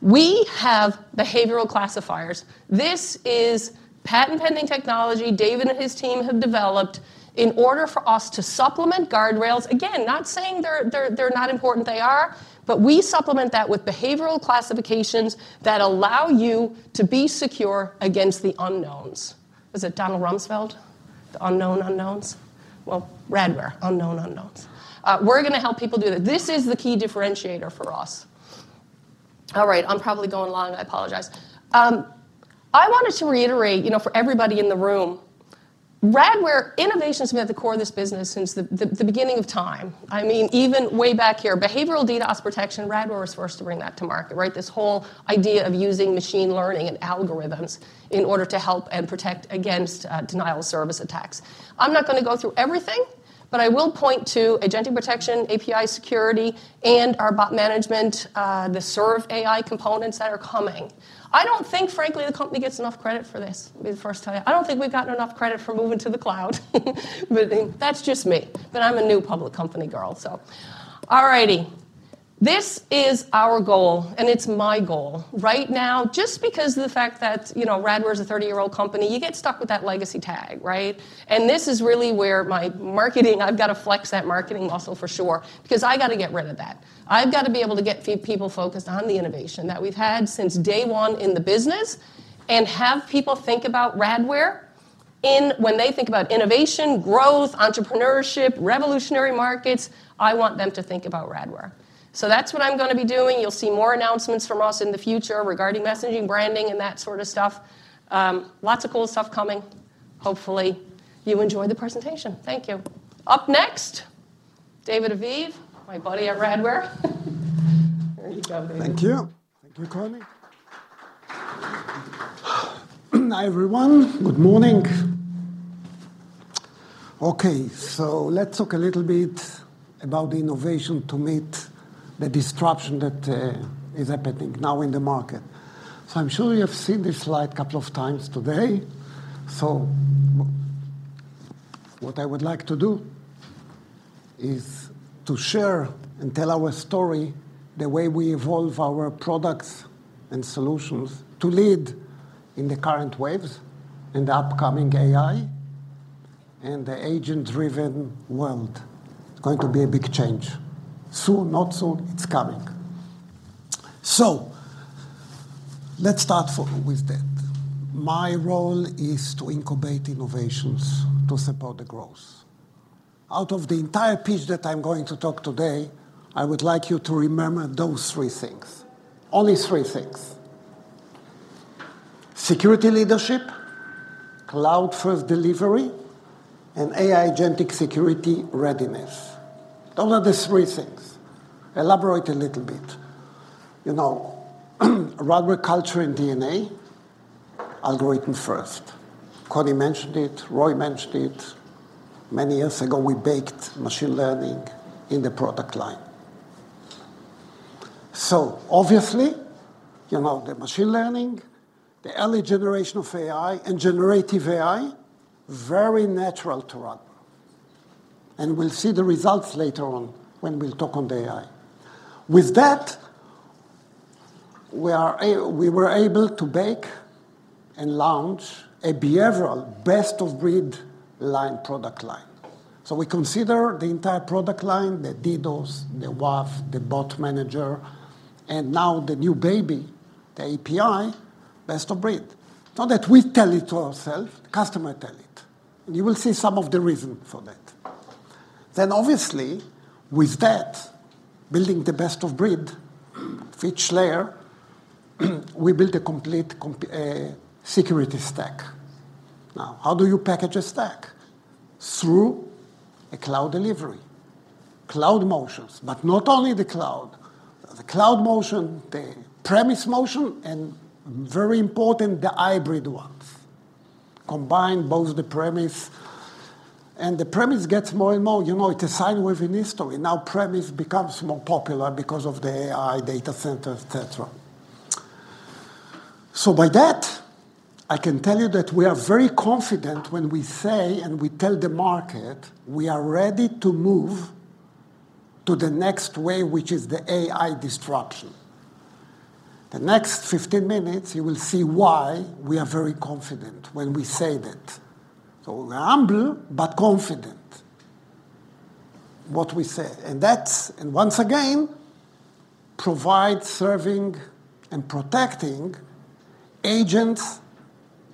We have behavioral classifiers. This is patent-pending technology David and his team have developed in order for us to supplement guardrails. Again, not saying they're, they're, they're not important; they are. But we supplement that with behavioral Classifications that allow you to be secure against the unknowns. Was it Donald Rumsfeld?... the unknown unknowns. Well, Radware, unknown unknowns. We're gonna help people do that. This is the key differentiator for us. All right, I'm probably going long, I apologize. I wanted to reiterate, you know, for everybody in the room, Radware, innovation's been at the core of this business since the beginning of time. I mean, even way back here, behavioral DDoS protection, Radware was the first to bring that to market, right? This whole idea of using machine learning and algorithms in order to help and protect against denial of service attacks. I'm not gonna go through everything, but I will point to agentic protection, API security, and our bot management, the Serve AI components that are coming. I don't think, frankly, the company gets enough credit for this. It'll be the first time... I don't think we've gotten enough credit for moving to the cloud. But then, that's just me, but I'm a new public company girl, so. All righty. This is our goal, and it's my goal. Right now, just because of the fact that, you know, Radware's a 30-year-old company, you get stuck with that legacy tag, right? And this is really where my marketing... I've got to flex that marketing muscle for sure, because I got to get rid of that. I've got to be able to get few people focused on the innovation that we've had since day one in the business, and have people think about Radware in- when they think about innovation, growth, entrepreneurship, revolutionary markets, I want them to think about Radware. So that's what I'm gonna be doing. You'll see more announcements from us in the future regarding messaging, branding, and that sort of stuff. Lots of cool stuff coming. Hopefully, you enjoyed the presentation. Thank you. Up next, David Aviv, my buddy at Radware. There you go, David. Thank you. Thank you, Connie. Hi, everyone. Good morning. Okay, so let's talk a little bit about the innovation to meet the disruption that is happening now in the market. So I'm sure you have seen this slide a couple of times today. So what I would like to do is to share and tell our story, the way we evolve our products and solutions to lead in the current waves and the upcoming AI, and the agent-driven world. It's going to be a big change. Soon, not soon, it's coming. So let's start with that. My role is to incubate innovations to support the growth. Out of the entire pitch that I'm going to talk today, I would like you to remember those three things. Only three things: security leadership, cloud-first delivery, and AI agentic security readiness. Those are the three things. Elaborate a little bit. You know, Radware culture and DNA, algorithm first. Connie mentioned it, Roy mentioned it. Many years ago, we baked machine learning in the product line. So obviously, you know, the machine learning, the early generation of AI and generative AI, very natural to Radware, and we'll see the results later on when we'll talk on the AI. With that, we were able to bake and launch a behavioral best-of-breed line, product line. So we consider the entire product line, the DDoS, the WAF, the bot manager, and now the new baby, the API, best of breed. It's not that we tell it to ourselves, customer tell it, and you will see some of the reason for that. Then obviously, with that, building the best of breed for each layer, we built a complete comprehensive security stack. Now, how do you package a stack? Through a cloud delivery, cloud motions. But not only the cloud, the cloud motion, the premise motion, and very important, the hybrid ones. Combine both the premise... And the premise gets more and more, you know, it's a sine wave in history. Now, premise becomes more popular because of the AI data center, et cetera. So by that, I can tell you that we are very confident when we say, and we tell the market, we are ready to move to the next wave, which is the AI disruption. The next 15 minutes, you will see why we are very confident when we say that. So we're humble, but confident, what we say. And that's... And once again, provide serving and protecting agents,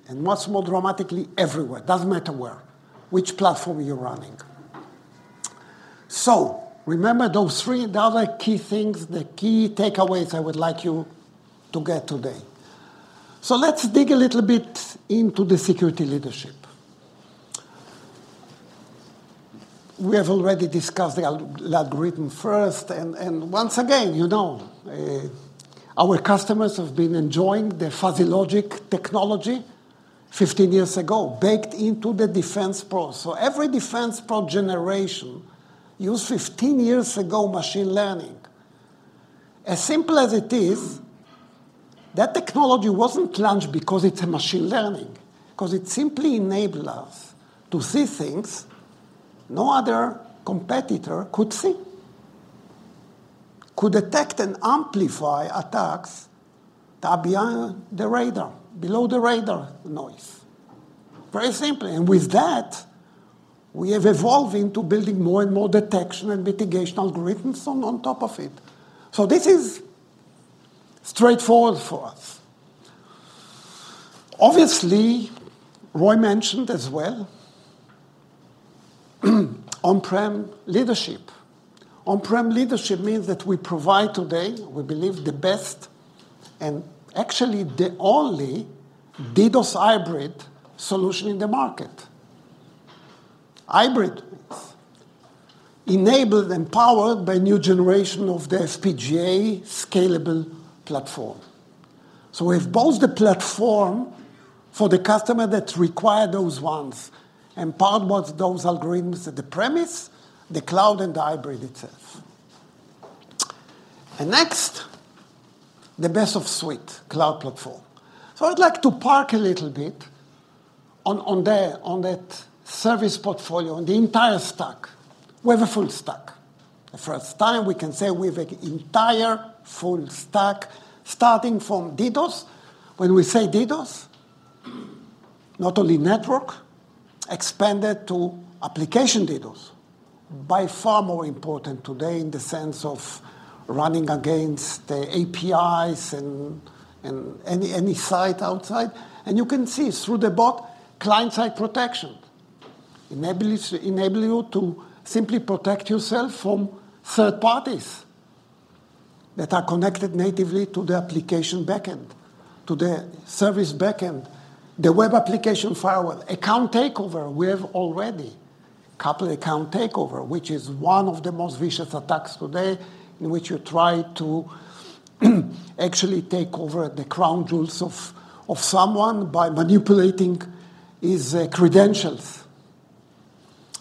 and what's more dramatically, everywhere. Doesn't matter where, which platform you're running. Remember those three, the other key things, the key takeaways I would like you to get today. So let's dig a little bit into the security leadership. We have already discussed the algorithm first, and once again, you know, our customers have been enjoying the fuzzy logic technology 15 years ago, baked into the DefensePro. So every DefensePro generation use 15 years ago, machine learning. As simple as it is, that technology wasn't launched because it's a machine learning, 'cause it simply enabled us to see things no other competitor could see. Could detect and amplify attacks that are beyond the radar, below the radar noise. Very simply, and with that, we have evolved into building more and more detection and mitigation algorithms on top of it. So this is straightforward for us. Obviously, Roy mentioned as well, on-prem leadership. On-prem leadership means that we provide today, we believe, the best and actually the only DDoS hybrid solution in the market. Hybrid enabled and powered by new generation of the FPGA scalable platform. So we have both the platform for the customer that require those ones, and part what those algorithms at the premise, the cloud, and the hybrid itself. And next, the best of suite cloud platform. So I'd like to park a little bit on, on the, on that service portfolio, on the entire stack. We have a full stack. The first time we can say we have a entire full stack, starting from DDoS. When we say DDoS, not only network, expanded to application DDoS. By far more important today in the sense of running against the APIs and, and any, any site outside. You can see through the bot client-side protection enables you to simply protect yourself from third parties that are connected natively to the application backend, to the service backend, the web application firewall. Account takeover, we have already couple account takeover, which is one of the most vicious attacks today, in which you try to actually take over the crown jewels of someone by manipulating his credentials.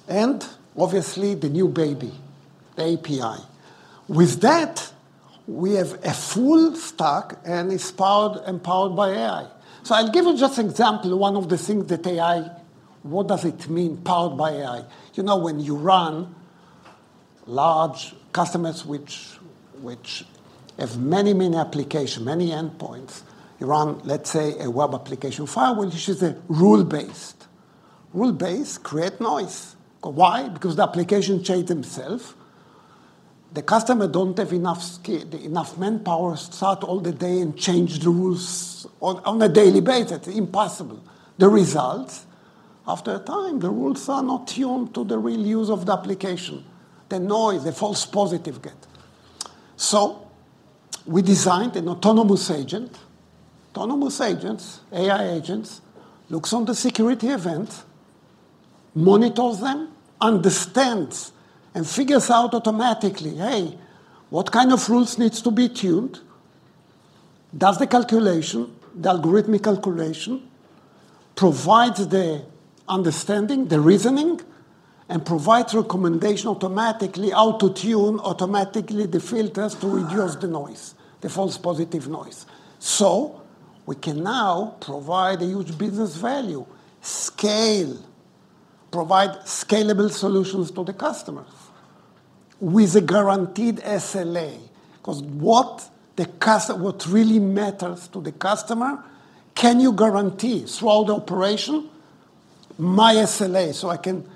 And obviously, the new baby, the API. With that, we have a full stack, and it's empowered by AI. So I'll give you just example, one of the things that AI... What does it mean, powered by AI? You know, when you run large customers which have many, many application, many endpoints, you run, let's say, a web application firewall, which is a rule-based. Rule-based create noise. Why? Because the application change themself. The customer don't have enough manpower, sit all the day and change the rules on, on a daily basis. It's impossible. The result, after a time, the rules are not tuned to the real use of the application, the noise, the false positive get. So we designed an autonomous agent. Autonomous agents, AI agents, looks on the security event, monitors them, understands and figures out automatically, "Hey, what kind of rules needs to be tuned?" Does the calculation, the algorithmic calculation, provides the understanding, the reasoning, and provides recommendation automatically how to tune automatically the filters to reduce the noise, the false positive noise. So we can now provide a huge business value, scale, provide scalable solutions to the customers with a guaranteed SLA, because what really matters to the customer, can you guarantee throughout the operation my SLA, so I can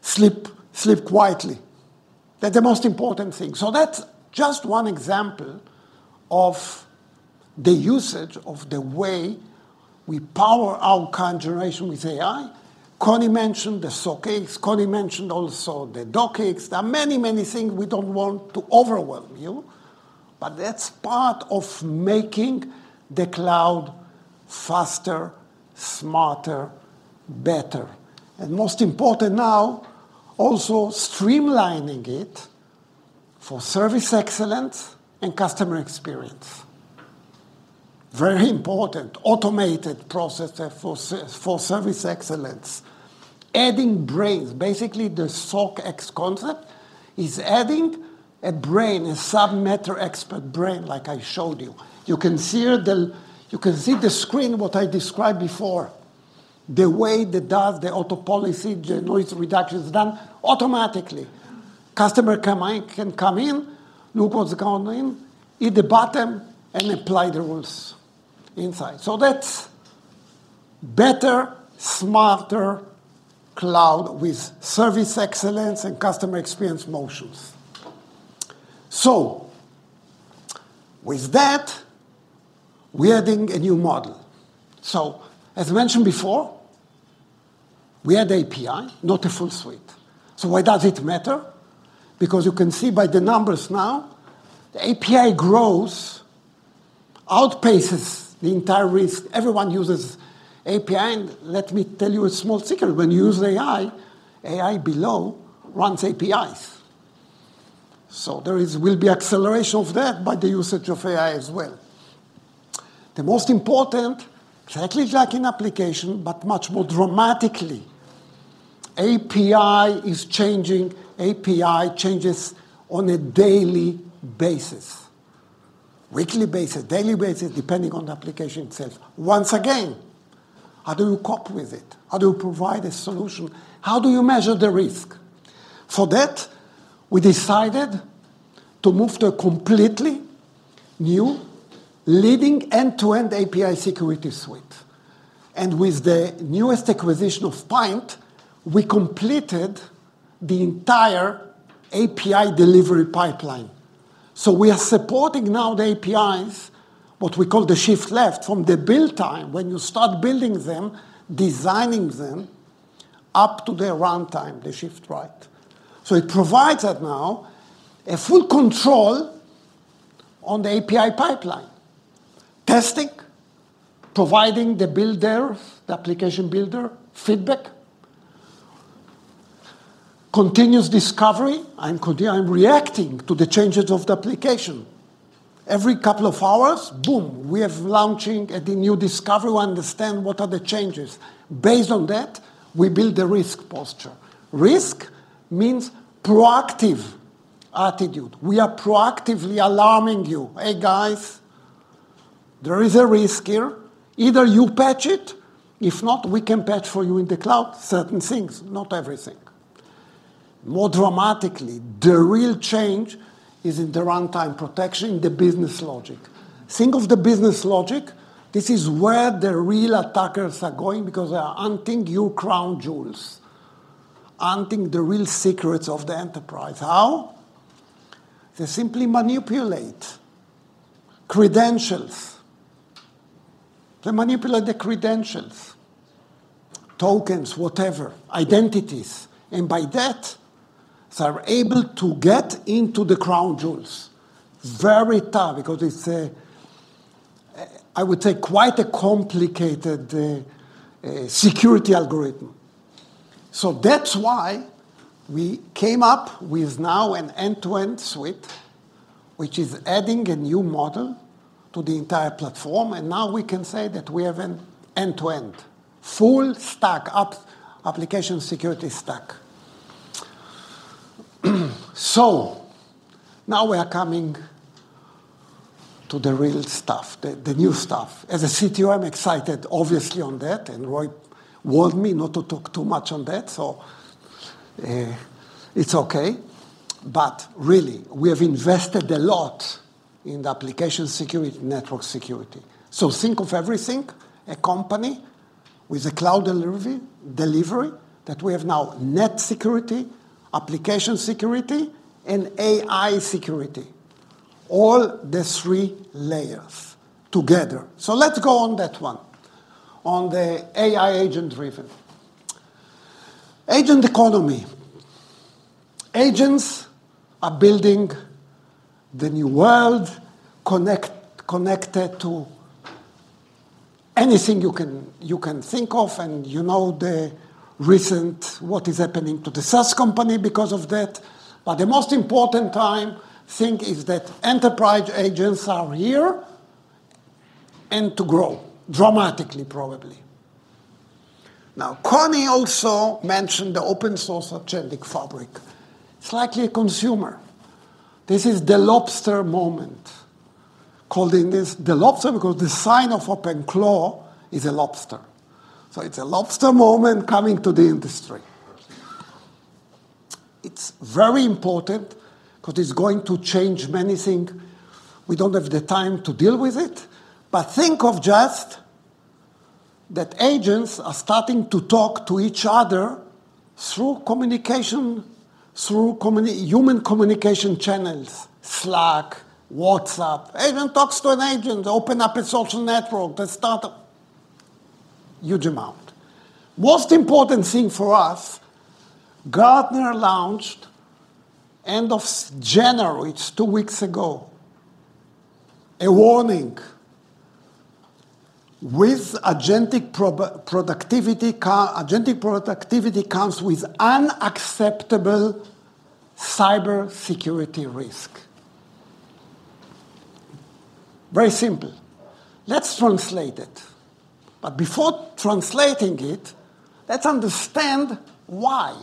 sleep, sleep quietly? That's the most important thing. So that's just one example of the usage of the way we power our current generation with AI. Connie mentioned the SOC X. Connie mentioned also the Doc X. There are many, many things. We don't want to overwhelm you, but that's part of making the cloud faster, smarter, better, and most important now, also streamlining it for service excellence and customer experience. Very important, automated processor for service excellence. Adding brains, basically the SOC X concept is adding a brain, a subject matter expert brain, like I showed you. You can see the screen, what I described before. The way it does the auto policy, the noise reduction is done automatically. Customer can come in, look what's going on, hit the button and apply the rules inside. That's better, smarter cloud with service excellence and customer experience motions. So with that, we're adding a new model. So as mentioned before, we had API, not a full suite. So why does it matter? Because you can see by the numbers now, the API growth outpaces the entire risk. Everyone uses API. And let me tell you a small secret. When you use AI, AI below runs APIs. So there is, will be acceleration of that by the usage of AI as well. The most important, exactly like in application, but much more dramatically, API is changing. API changes on a daily basis, weekly basis, daily basis, depending on the application itself. Once again, how do you cope with it? How do you provide a solution? How do you measure the risk? For that, we decided to move to a completely new leading end-to-end API security suite. With the newest acquisition of Pynt, we completed the entire API delivery pipeline. So we are supporting now the APIs, what we call the shift left, from the build time, when you start building them, designing them, up to the runtime, the shift right. So it provides us now a full control on the API pipeline. Testing, providing the builder, the application builder feedback, continuous discovery, I'm reacting to the changes of the application. Every couple of hours, boom! We have launching a new discovery to understand what are the changes. Based on that, we build the risk posture. Risk means proactive attitude. We are proactively alarming you. "Hey, guys, there is a risk here. Either you patch it, if not, we can patch for you in the cloud," certain things, not everything. More dramatically, the real change is in the runtime protection, the business logic. Think of the business logic. This is where the real attackers are going because they are hunting your crown jewels, hunting the real secrets of the enterprise. How? They simply manipulate credentials. They manipulate the credentials, tokens, whatever, identities, and by that, they are able to get into the crown jewels. Very tough, because it's a... I would say, quite a complicated, a security algorithm. So that's why we came up with now an end-to-end suite, which is adding a new model to the entire platform, and now we can say that we have an end-to-end full stack app-- application security stack. So now we are coming to the real stuff, the, the new stuff. As a CTO, I'm excited, obviously, on that, and Roy warned me not to talk too much on that, so, it's okay. We have invested a lot in the application security, network security. So think of everything, a company with a cloud delivery, delivery, that we have now network security, application security, and AI security, all the three layers together. So let's go on that one, on the AI agent-driven agent economy. Agents are building the new world, connected to anything you can, you can think of, and you know the recent, what is happening to the SaaS company because of that. But the most important time, thing, is that enterprise agents are here and to grow dramatically, probably. Now, Connie also mentioned the open source agentic fabric. Slightly consumer. This is the lobster moment, calling this the lobster because the sign of OpenClaw is a lobster. So it's a lobster moment coming to the industry. It's very important because it's going to change many thing. We don't have the time to deal with it, but think of just that agents are starting to talk to each other through communication, through human communication channels, Slack, WhatsApp. Agent talks to an agent, open up a social network, they start a huge amount. Most important thing for us, Gartner launched, end of January, it's two weeks ago, a warning with agentic productivity comes with unacceptable cybersecurity risk. Very simple. Let's translate it. But before translating it, let's understand why.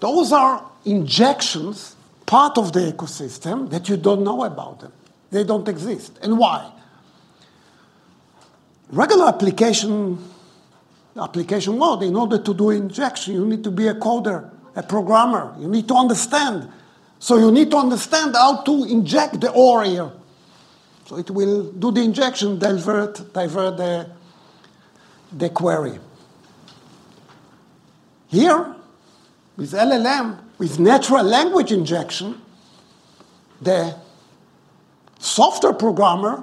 Those are injections, part of the ecosystem, that you don't know about them. They don't exist, and why? Regular application, application load, in order to do injection, you need to be a coder, a programmer. You need to understand. So you need to understand how to inject the query, so it will do the injection, divert the query. Here, with LLM, with natural language injection, the software programmer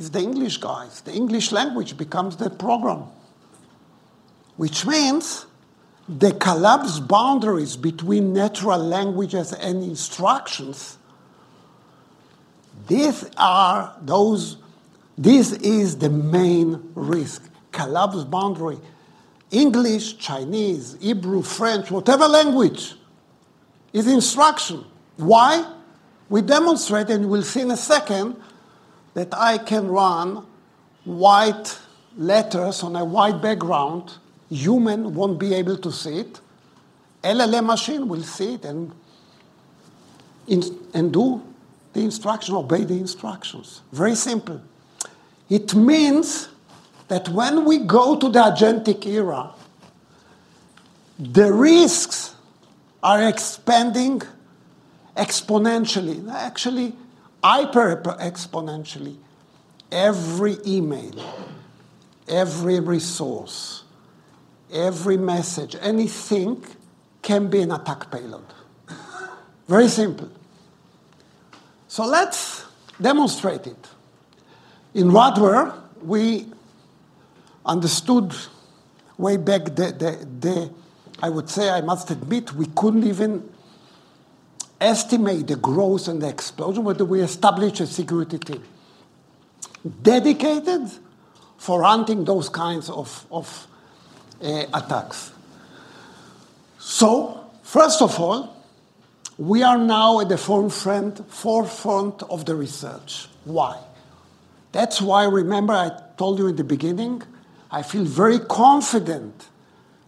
is the English guys. The English language becomes the program, which means they collapse boundaries between natural languages and instructions. This is the main risk, collapse boundary. English, Chinese, Hebrew, French, whatever language, is instruction. Why? We demonstrate, and we'll see in a second, that I can run white letters on a white background. Human won't be able to see it. LLM machine will see it and do the instruction, obey the instructions. Very simple. It means that when we go to the agentic era. The risks are expanding exponentially. Actually, hyper-exponentially. Every email, every resource, every message, anything can be an attack payload. Very simple. So let's demonstrate it. In Radware, we understood way back that I would say, I must admit, we couldn't even estimate the growth and the exposure, but we established a security team dedicated for hunting those kinds of attacks. So first of all, we are now at the forefront of the research. Why? That's why, remember I told you in the beginning, I feel very confident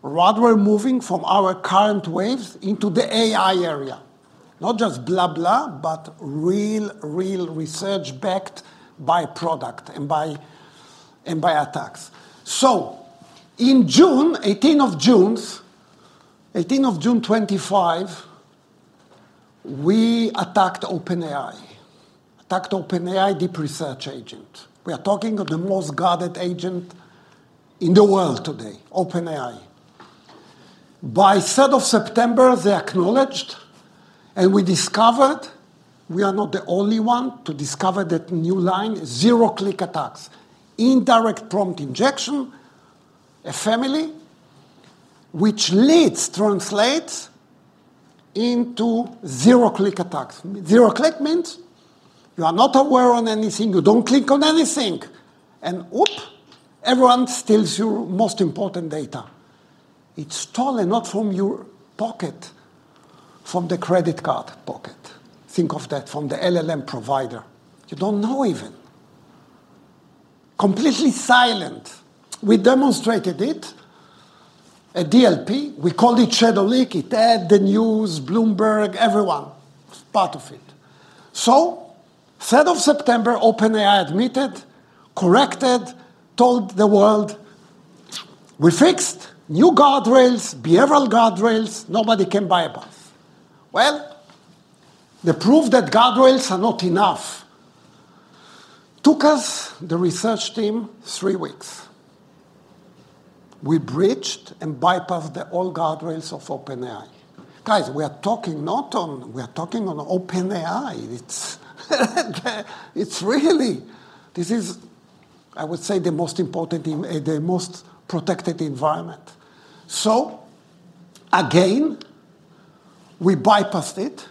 Radware moving from our current waves into the AI area. Not just blah, blah, but real research backed by product and by attacks. So in June, eighteenth of June 2025, we attacked OpenAI. Attacked OpenAI deep research agent. We are talking of the most guarded agent in the world today, OpenAI. By third of September, they acknowledged, and we discovered we are not the only one to discover that new line, zero-click attacks. Indirect prompt injection, a family which leads translates into zero-click attacks. Zero-click means you are not aware on anything, you don't click on anything, and whoop! Everyone steals your most important data. It's stolen not from your pocket, from the credit card pocket. Think of that, from the LLM provider. You don't know even. Completely silent. We demonstrated it at DLP. We called it ShadowLeak. It had the news, Bloomberg, everyone was part of it. So 3rd September, OpenAI admitted, corrected, told the world, "We fixed new guardrails, behavioral guardrails. Nobody can bypass." Well, the proof that guardrails are not enough took us, the research team, three weeks. We breached and bypassed the all guardrails of OpenAI. Guys, we are talking not on. We are talking on OpenAI. It's, it's really. This is, I would say, the most important, the most protected environment. We bypassed it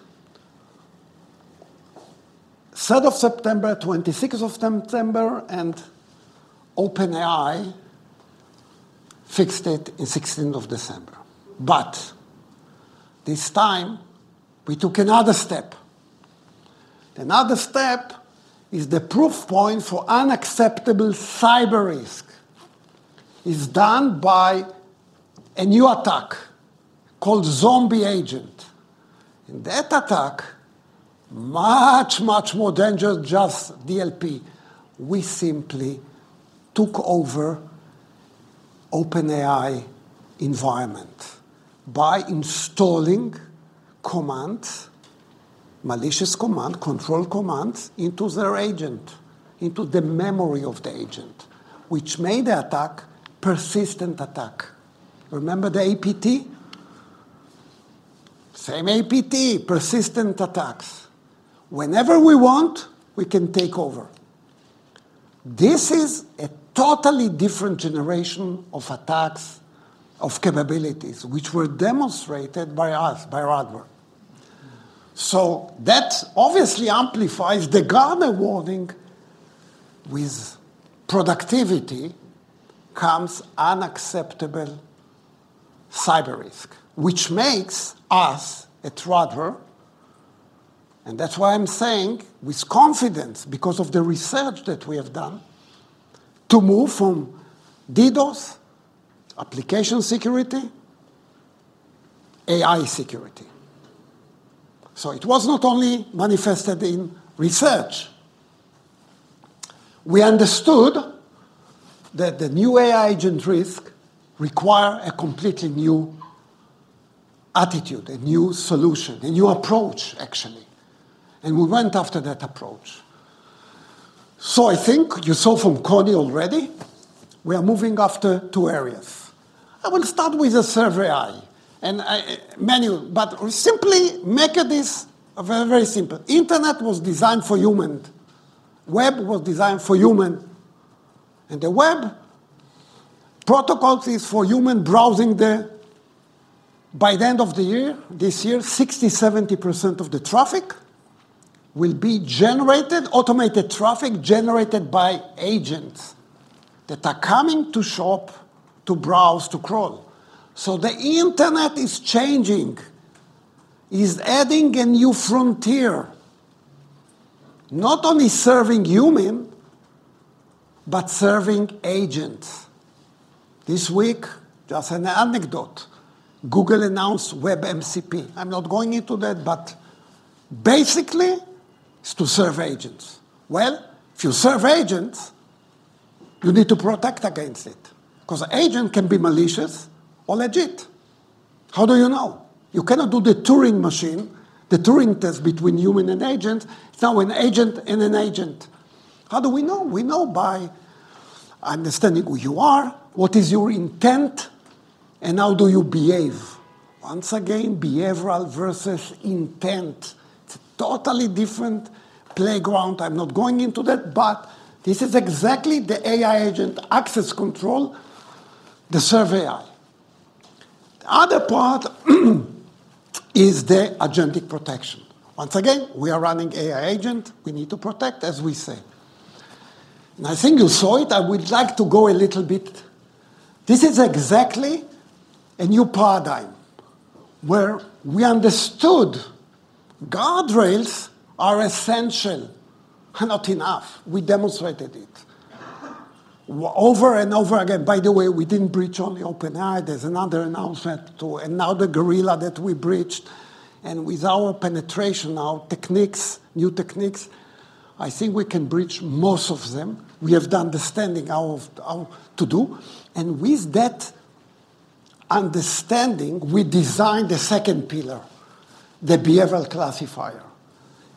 September 3rd, September 26th, and OpenAI fixed it in December 16th. But this time, we took another step. Another step is the proof point for unacceptable cyber risk, is done by a new attack called ZombieAgent. And that attack, much, much more dangerous than just DLP. We simply took over OpenAI environment by installing commands, malicious command, control commands into their agent, into the memory of the agent, which made the attack persistent attack. Remember the APT? Same APT, persistent attacks. Whenever we want, we can take over. This is a totally different generation of attacks, of capabilities, which were demonstrated by us, by Radware. That obviously amplifies the Gartner warning with productivity comes unacceptable cyber risk, which makes us at Radware, and that's why I'm saying with confidence because of the research that we have done, to move from DDoS, application security, AI security. So it was not only manifested in research. We understood that the new AI agent risk require a completely new attitude, a new solution, a new approach, actually, and we went after that approach. So I think you saw from Connie already, we are moving after two areas. I will start with the Serve AI and then all, but simply make this very, very simple. Internet was designed for human, web was designed for human, and the web protocols is for human browsing the... By the end of the year, this year, 60%-70% of the traffic will be generated, automated traffic generated by agents that are coming to shop, to browse, to crawl. So the internet is changing. It is adding a new frontier, not only serving human, but serving agent. This week, just an anecdote, Google announced WebMCP. I'm not going into that, but basically it's to serve agents. Well, if you serve agents, you need to protect against it, because agent can be malicious or legit. How do you know? You cannot do the Turing machine, the Turing Test between human and agent. It's now an agent and an agent. How do we know? We know by understanding who you are, what is your intent, and how do you behave. Once again, behavioral versus intent. It's a totally different playground. I'm not going into that, but this is exactly the AI agent access control, the Serve AI. The other part is the agentic protection. Once again, we are running AI agent, we need to protect, as we say. And I think you saw it. I would like to go a little bit. This is exactly a new paradigm where we understood guardrails are essential and not enough. We demonstrated it over and over again. By the way, we didn't breach only OpenAI. There's another announcement, too, and now the gorilla that we breached. And with our penetration, our techniques, new techniques, I think we can breach most of them. We have the understanding how to do, and with that understanding, we designed the second pillar, the behavioral classifier.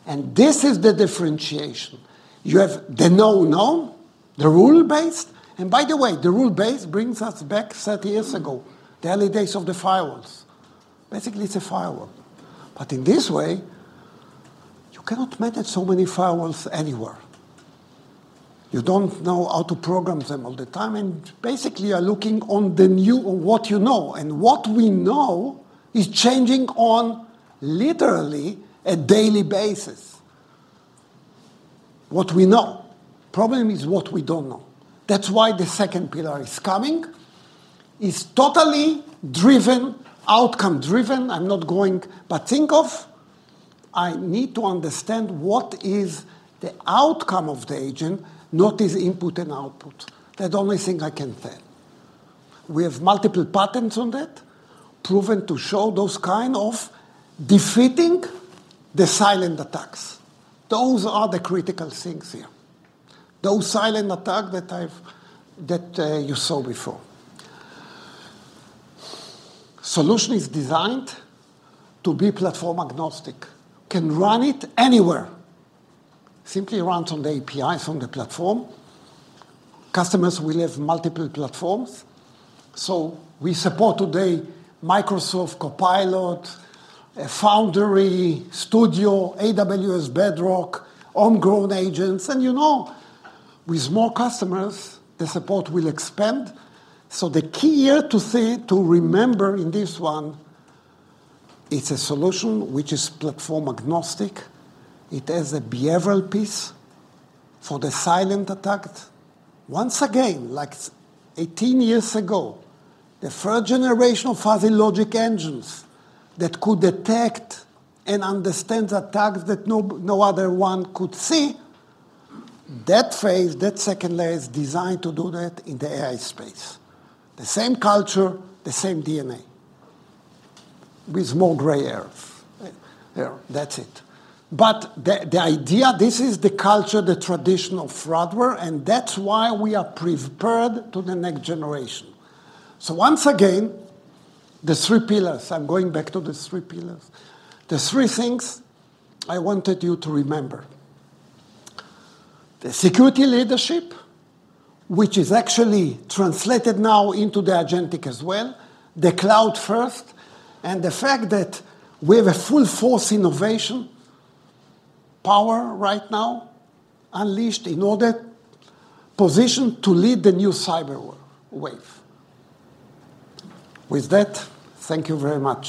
And this is the differentiation. You have the no-no, the rule-based, and by the way, the rule-based brings us back 30 years ago, the early days of the firewalls. Basically, it's a firewall, but in this way, you cannot manage so many firewalls anywhere. You don't know how to program them all the time, and basically, you are looking on the new or what you know, and what we know is changing on literally a daily basis. What we know. Problem is what we don't know. That's why the second pillar is coming. It's totally driven, outcome-driven. I'm not going. But think of, I need to understand what is the outcome of the agent, not his input and output. That's the only thing I can tell. We have multiple patents on that, proven to show those kind of defeating the silent attacks. Those are the critical things here. Those silent attacks that you saw before. The solution is designed to be platform-agnostic, can run it anywhere. Simply runs on the API from the platform. Customers will have multiple platforms, so we support today Microsoft Copilot, Foundry, Studio, AWS Bedrock, homegrown agents, and, you know, with more customers, the support will expand. So the key here to say, to remember in this one, it's a solution which is platform-agnostic. It has a behavioral piece for the silent attacks. Once again, like 18 years ago, the first generation of fuzzy logic engines that could detect and understand the attacks that no other one could see, that phase, that second layer is designed to do that in the AI space. The same culture, the same DNA, with more gray hair. There, that's it. The idea, this is the culture, the traditional fraudware, and that's why we are prepared to the next generation. So once again, the three pillars. I'm going back to the three pillars. The three things I wanted you to remember: the security leadership, which is actually translated now into the agentic as well, the cloud-first, and the fact that we have a full-force innovation power right now unleashed in order-positioned to lead the new cyber war wave. With that, thank you very much.